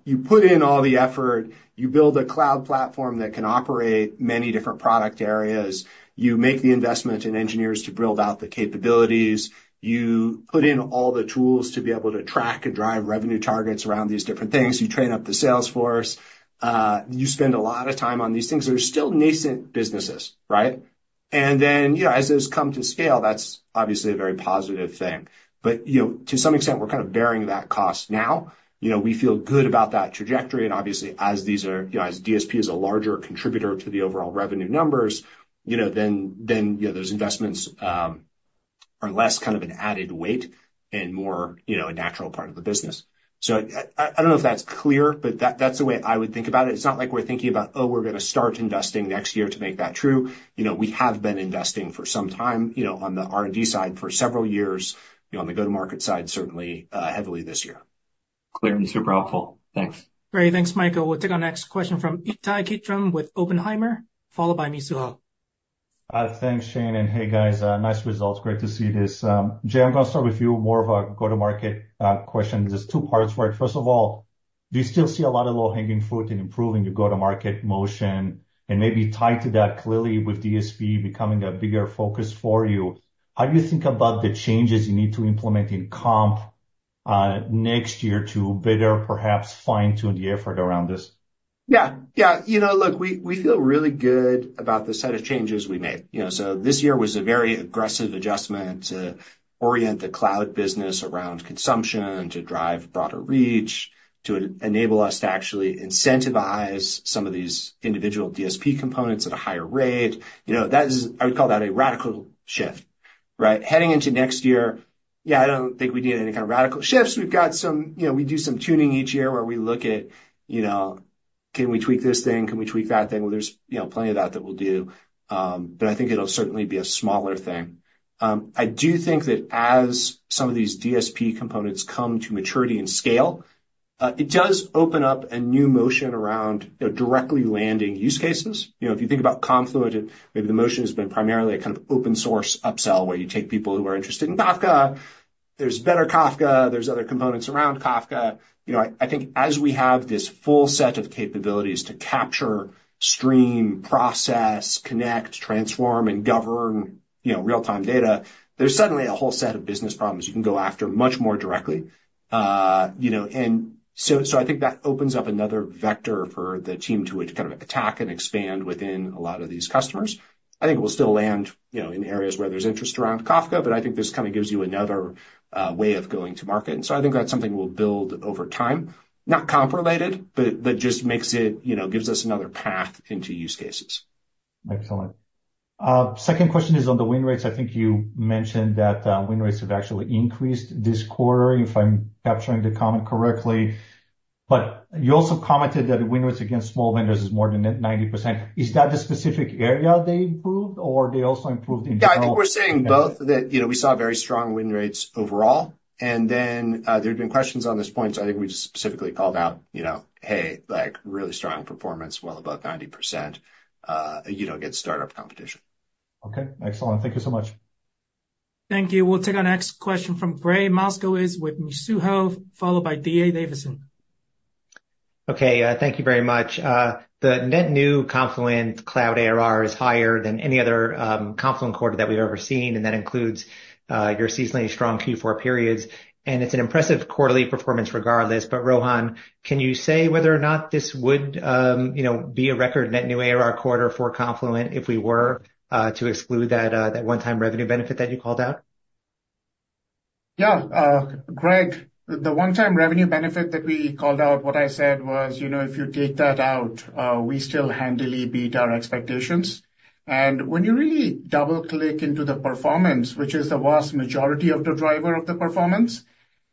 you put in all the effort, you build a cloud platform that can operate many different product areas, you make the investment in engineers to build out the capabilities, you put in all the tools to be able to track and drive revenue targets around these different things, you train up the sales force, you spend a lot of time on these things. There's still nascent businesses, right? And then as those come to scale, that's obviously a very positive thing. But to some extent, we're kind of bearing that cost now. We feel good about that trajectory. And obviously, as DSP is a larger contributor to the overall revenue numbers, then those investments are less kind of an added weight and more a natural part of the business. So I don't know if that's clear, but that's the way I would think about it. It's not like we're thinking about, "Oh, we're going to start investing next year to make that true." We have been investing for some time on the R&D side for several years. On the go-to-market side, certainly heavily this year. Clear and super helpful. Thanks. Great. Thanks, Michael. We'll take our next question from Ittai Kidron with Oppenheimer, followed by Mizuho. Thanks, Shane. And hey, guys, nice results. Great to see this. Jay, I'm going to start with you, more of a go-to-market question. There's two parts for it. First of all, do you still see a lot of low-hanging fruit in improving your go-to-market motion? And maybe tie to that clearly with DSP becoming a bigger focus for you. How do you think about the changes you need to implement in comp next year to better, perhaps, fine-tune the effort around this? Yeah, yeah. Look, we feel really good about the set of changes we made. So this year was a very aggressive adjustment to orient the cloud business around consumption, to drive broader reach, to enable us to actually incentivize some of these individual DSP components at a higher rate. I would call that a radical shift, right? Heading into next year, yeah, I don't think we need any kind of radical shifts. We do some tuning each year where we look at, "Can we tweak this thing? Can we tweak that thing?" Well, there's plenty of that that we'll do. But I think it'll certainly be a smaller thing. I do think that as some of these DSP components come to maturity and scale, it does open up a new motion around directly landing use cases. If you think about Confluent, maybe the motion has been primarily a kind of open-source upsell where you take people who are interested in Kafka. There's better Kafka. There's other components around Kafka. I think as we have this full set of capabilities to capture, stream, process, connect, transform, and govern real-time data, there's suddenly a whole set of business problems you can go after much more directly. And so I think that opens up another vector for the team to kind of attack and expand within a lot of these customers. I think we'll still land in areas where there's interest around Kafka, but I think this kind of gives you another way of going to market. And so I think that's something we'll build over time. Not comp-related, but just gives us another path into use cases. Excellent. Second question is on the win rates. I think you mentioned that win rates have actually increased this quarter, if I'm capturing the comment correctly. But you also commented that win rates against small vendors is more than 90%. Is that the specific area they improved, or they also improved in general? Yeah, I think we're seeing both that we saw very strong win rates overall. And then there have been questions on this point. So I think we just specifically called out, "Hey, really strong performance, well above 90%," against startup competition. Okay. Excellent. Thank you so much. Thank you. We'll take our next question from Gregg Moskowitz with Mizuho, followed by D.A. Davidson. Okay. Thank you very much. The net new Confluent Cloud ARR is higher than any other Confluent quarter that we've ever seen. And that includes your seasonally strong Q4 periods. And it's an impressive quarterly performance regardless. But Rohan, can you say whether or not this would be a record net new ARR quarter for Confluent if we were to exclude that one-time revenue benefit that you called out? Yeah. Gregg, the one-time revenue benefit that we called out, what I said was, if you take that out, we still handily beat our expectations. And when you really double-click into the performance, which is the vast majority of the driver of the performance,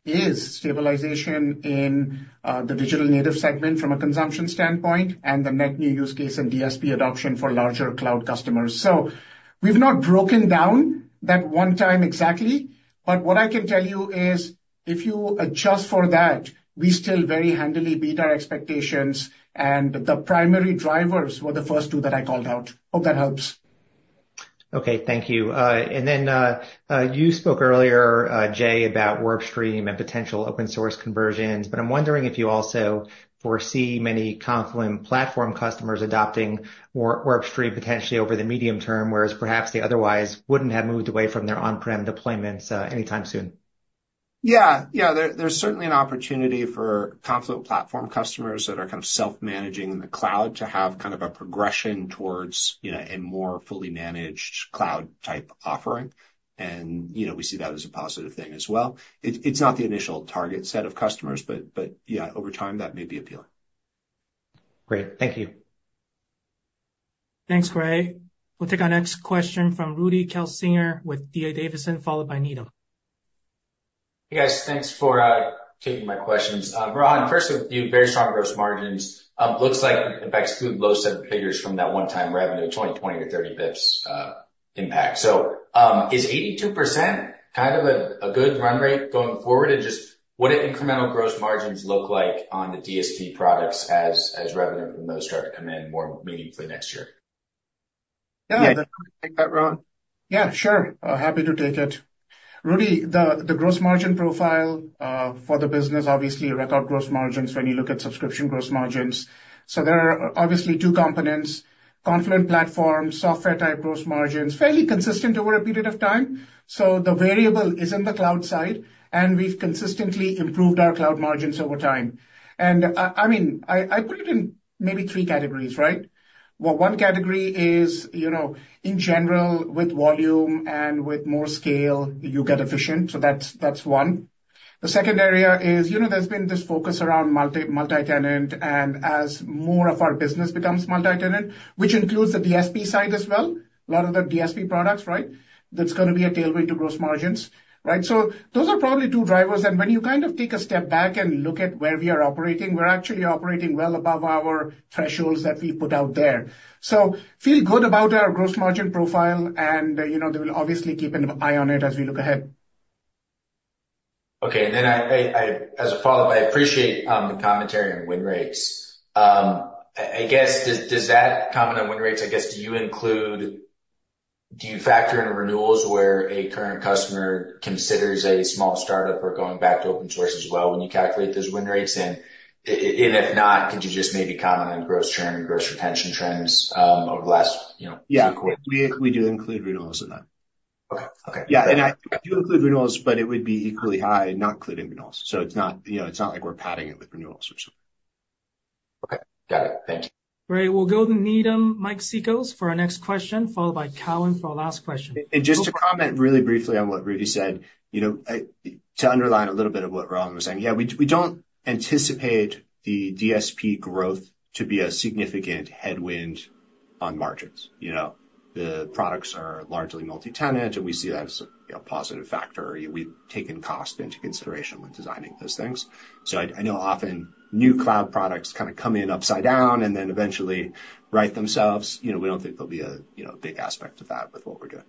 is stabilization in the digital native segment from a consumption standpoint and the net new use case and DSP adoption for larger cloud customers. So we've not broken down that one time exactly. But what I can tell you is, if you adjust for that, we still very handily beat our expectations. And the primary drivers were the first two that I called out. Hope that helps. Okay. Thank you. And then you spoke earlier, Jay, about WarpStream and potential open-source conversions. But I'm wondering if you also foresee many Confluent Platform customers adopting WarpStream potentially over the medium term, whereas perhaps they otherwise wouldn't have moved away from their on-prem deployments anytime soon. Yeah. Yeah. There's certainly an opportunity for Confluent Platform customers that are kind of self-managing in the cloud to have kind of a progression towards a more fully managed cloud-type offering. And we see that as a positive thing as well. It's not the initial target set of customers, but over time, that may be appealing. Great. Thank you. Thanks, Gregg. We'll take our next question from Rudy Kessinger with D.A. Davidson, followed by Needham. Hey, guys. Thanks for taking my questions. Rohan, first, with you, very strong gross margins. Looks like it excludes low-margin figures from that one-time revenue, 20 bps-30 bps impact. So is 82% kind of a good run rate going forward? And just what do incremental gross margins look like on the DSP products as revenue from those start to come in more meaningfully next year? Yeah. Take that, Rohan. Yeah, sure. Happy to take it. Rudy, the gross margin profile for the business obviously records gross margins when you look at subscription gross margins. So there are obviously two components: Confluent Platform, software-type gross margins, fairly consistent over a period of time. So the variable is in the cloud side, and we've consistently improved our cloud margins over time. And I mean, I put it in maybe three categories, right? Well, one category is, in general, with volume and with more scale, you get efficient. So that's one. The second area is there's been this focus around multi-tenant. And as more of our business becomes multi-tenant, which includes the DSP side as well, a lot of the DSP products, right? That's going to be a tailwind to gross margins, right? So those are probably two drivers. When you kind of take a step back and look at where we are operating, we're actually operating well above our thresholds that we put out there. We feel good about our gross margin profile, and we will obviously keep an eye on it as we look ahead. Okay, and then as a follow-up, I appreciate the commentary on win rates. I guess, does that comment on win rates? I guess, do you factor in renewals where a current customer considers a small startup or going back to open source as well when you calculate those win rates? If not, could you just maybe comment on gross churn and gross retention trends over the last few quarters? Yeah. We do include renewals in that. Yeah. And I do include renewals, but it would be equally high, not including renewals. So it's not like we're padding it with renewals or something. Okay. Got it. Thank you. Great. We'll go to Needham, Mike Cikos for our next question, followed by TD Cowen for our last question. And just to comment really briefly on what Rudy said, to underline a little bit of what Rohan was saying, yeah, we don't anticipate the DSP growth to be a significant headwind on margins. The products are largely multi-tenant, and we see that as a positive factor. We've taken cost into consideration when designing those things. So I know often new cloud products kind of come in upside down and then eventually right themselves. We don't think there'll be a big aspect of that with what we're doing.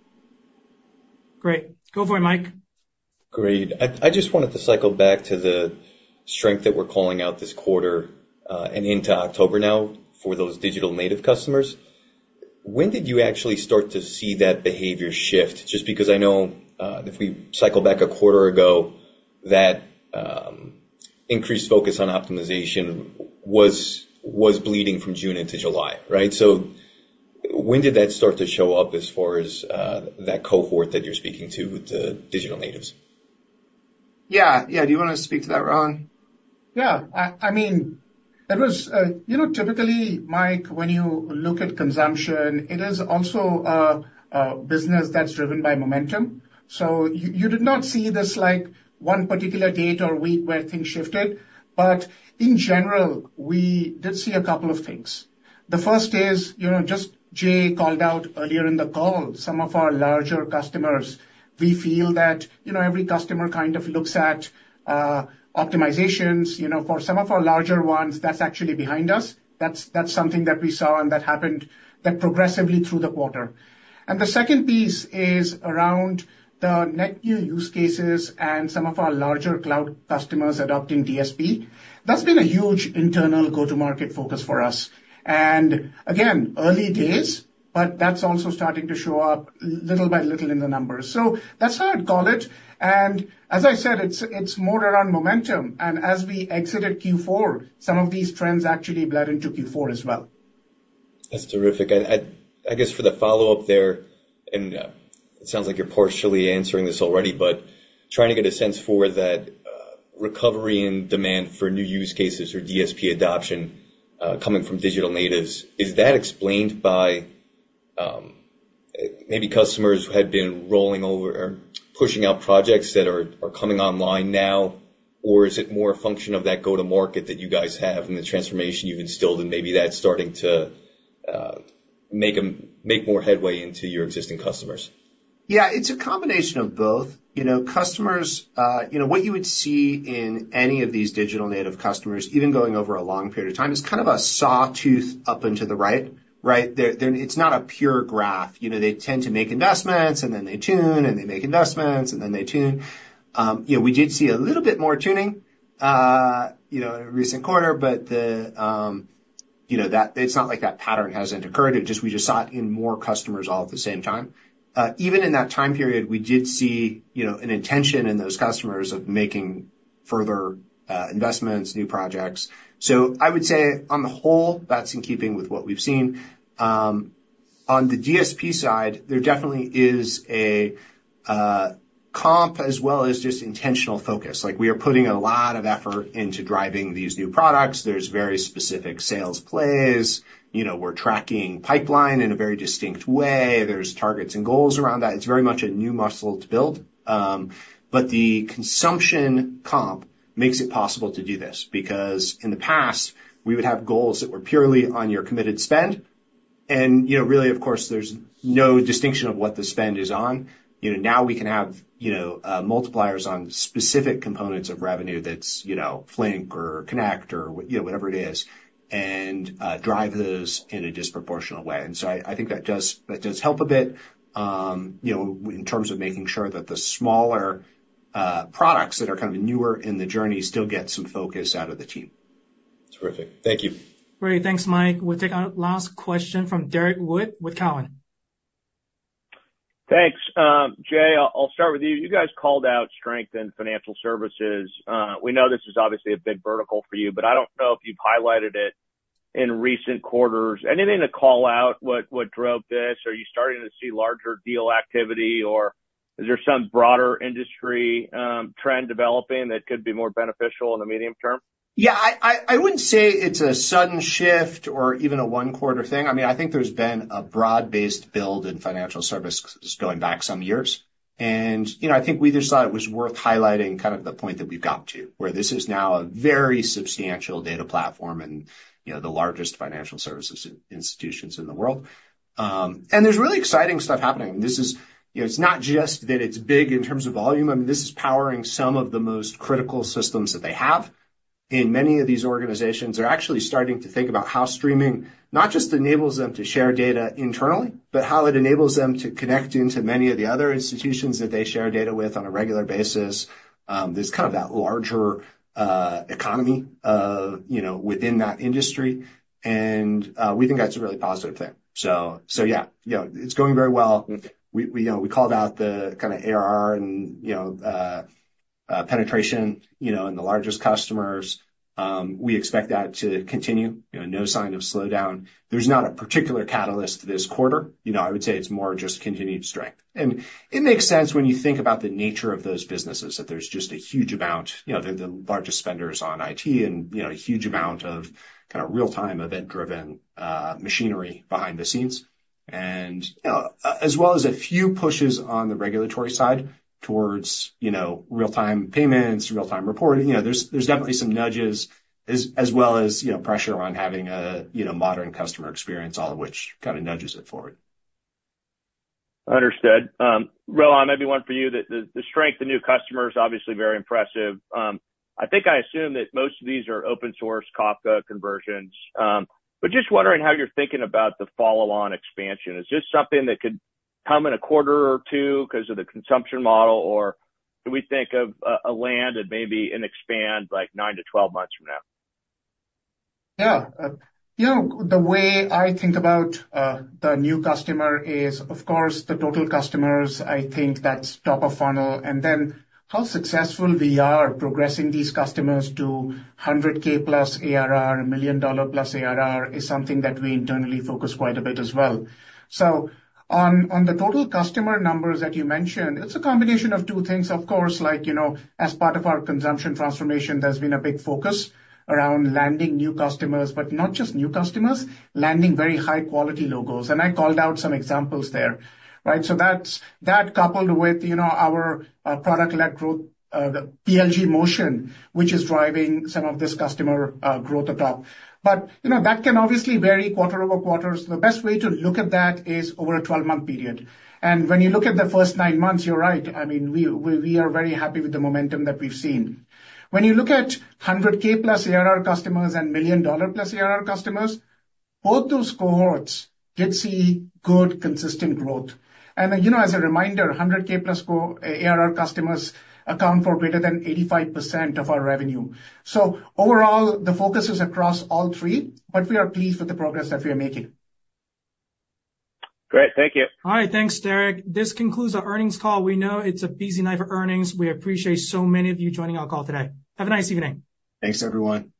Great. Go for it, Mike. Great. I just wanted to cycle back to the strength that we're calling out this quarter and into October now for those digital native customers. When did you actually start to see that behavior shift? Just because I know if we cycle back a quarter ago, that increased focus on optimization was bleeding from June into July, right? So when did that start to show up as far as that cohort that you're speaking to with the digital natives? Yeah. Yeah. Do you want to speak to that, Rohan? Yeah. I mean, that was typically, Mike, when you look at consumption, it is also a business that's driven by momentum. So you did not see this one particular date or week where things shifted. But in general, we did see a couple of things. The first is, just Jay called out earlier in the call, some of our larger customers, we feel that every customer kind of looks at optimizations. For some of our larger ones, that's actually behind us. That's something that we saw and that happened progressively through the quarter. And the second piece is around the net new use cases and some of our larger cloud customers adopting DSP. That's been a huge internal go-to-market focus for us. And again, early days, but that's also starting to show up little by little in the numbers. So that's how I'd call it. And as I said, it's more around momentum. And as we exited Q4, some of these trends actually bled into Q4 as well. That's terrific. I guess for the follow-up there, and it sounds like you're partially answering this already, but trying to get a sense for that recovery in demand for new use cases or DSP adoption coming from digital natives, is that explained by maybe customers who had been rolling over or pushing out projects that are coming online now? Or is it more a function of that go-to-market that you guys have and the transformation you've instilled? And maybe that's starting to make more headway into your existing customers. Yeah. It's a combination of both. Customers, what you would see in any of these digital native customers, even going over a long period of time, is kind of a sawtooth up and to the right, right? It's not a pure graph. They tend to make investments, and then they tune, and they make investments, and then they tune. We did see a little bit more tuning in a recent quarter, but it's not like that pattern hasn't occurred. We just saw it in more customers all at the same time. Even in that time period, we did see an intention in those customers of making further investments, new projects. So I would say, on the whole, that's in keeping with what we've seen. On the DSP side, there definitely is a comp as well as just intentional focus. We are putting a lot of effort into driving these new products. There's very specific sales plays. We're tracking pipeline in a very distinct way. There's targets and goals around that. It's very much a new muscle to build. But the consumption comp makes it possible to do this because in the past, we would have goals that were purely on your committed spend. And really, of course, there's no distinction of what the spend is on. Now we can have multipliers on specific components of revenue that's Flink or Connect or whatever it is and drive those in a disproportionate way. And so I think that does help a bit in terms of making sure that the smaller products that are kind of newer in the journey still get some focus out of the team. Terrific. Thank you. Great. Thanks, Mike. We'll take our last question from Derrick Wood with TD Cowen. Thanks. Jay, I'll start with you. You guys called out strength in financial services. We know this is obviously a big vertical for you, but I don't know if you've highlighted it in recent quarters. Anything to call out? What drove this? Are you starting to see larger deal activity, or is there some broader industry trend developing that could be more beneficial in the medium term? Yeah. I wouldn't say it's a sudden shift or even a one-quarter thing. I mean, I think there's been a broad-based build in financial services going back some years. And I think we just thought it was worth highlighting kind of the point that we've gotten to, where this is now a very substantial data platform and the largest financial services institutions in the world. And there's really exciting stuff happening. And it's not just that it's big in terms of volume. I mean, this is powering some of the most critical systems that they have. In many of these organizations, they're actually starting to think about how streaming not just enables them to share data internally, but how it enables them to connect into many of the other institutions that they share data with on a regular basis. There's kind of that larger economy within that industry. We think that's a really positive thing. Yeah, it's going very well. We called out the kind of ARR and penetration in the largest customers. We expect that to continue. No sign of slowdown. There's not a particular catalyst this quarter. I would say it's more just continued strength. It makes sense when you think about the nature of those businesses, that there's just a huge amount of the largest spenders on IT and a huge amount of kind of real-time event-driven machinery behind the scenes, as well as a few pushes on the regulatory side towards real-time payments, real-time reporting. There's definitely some nudges, as well as pressure on having a modern customer experience, all of which kind of nudges it forward. Understood. Rohan, maybe one for you. The strength, the new customers, obviously very impressive. I think I assume that most of these are open-source Kafka conversions. But just wondering how you're thinking about the follow-on expansion. Is this something that could come in a quarter or two because of the consumption model, or do we think of a land and maybe an expand like nine to 12 months from now? Yeah. The way I think about the new customer is, of course, the total customers. I think that's top of funnel. Then how successful we are progressing these customers to $100,000+ ARR, $1 million+ ARR is something that we internally focus quite a bit as well. On the total customer numbers that you mentioned, it's a combination of two things, of course. As part of our consumption transformation, there's been a big focus around landing new customers, but not just new customers, landing very high-quality logos. I called out some examples there, right. That coupled with our product-led growth, the PLG motion, which is driving some of this customer growth atop. That can obviously vary quarter-over-quarter. The best way to look at that is over a 12-month period. When you look at the first nine months, you're right. I mean, we are very happy with the momentum that we've seen. When you look at $100,000+ ARR customers and $1 million+ ARR customers, both those cohorts did see good consistent growth. And as a reminder, $100,000+ ARR customers account for greater than 85% of our revenue. So overall, the focus is across all three, but we are pleased with the progress that we are making. Great. Thank you. All right. Thanks, Derrick. This concludes our earnings call. We know it's a busy night for earnings. We appreciate so many of you joining our call today. Have a nice evening. Thanks, everyone.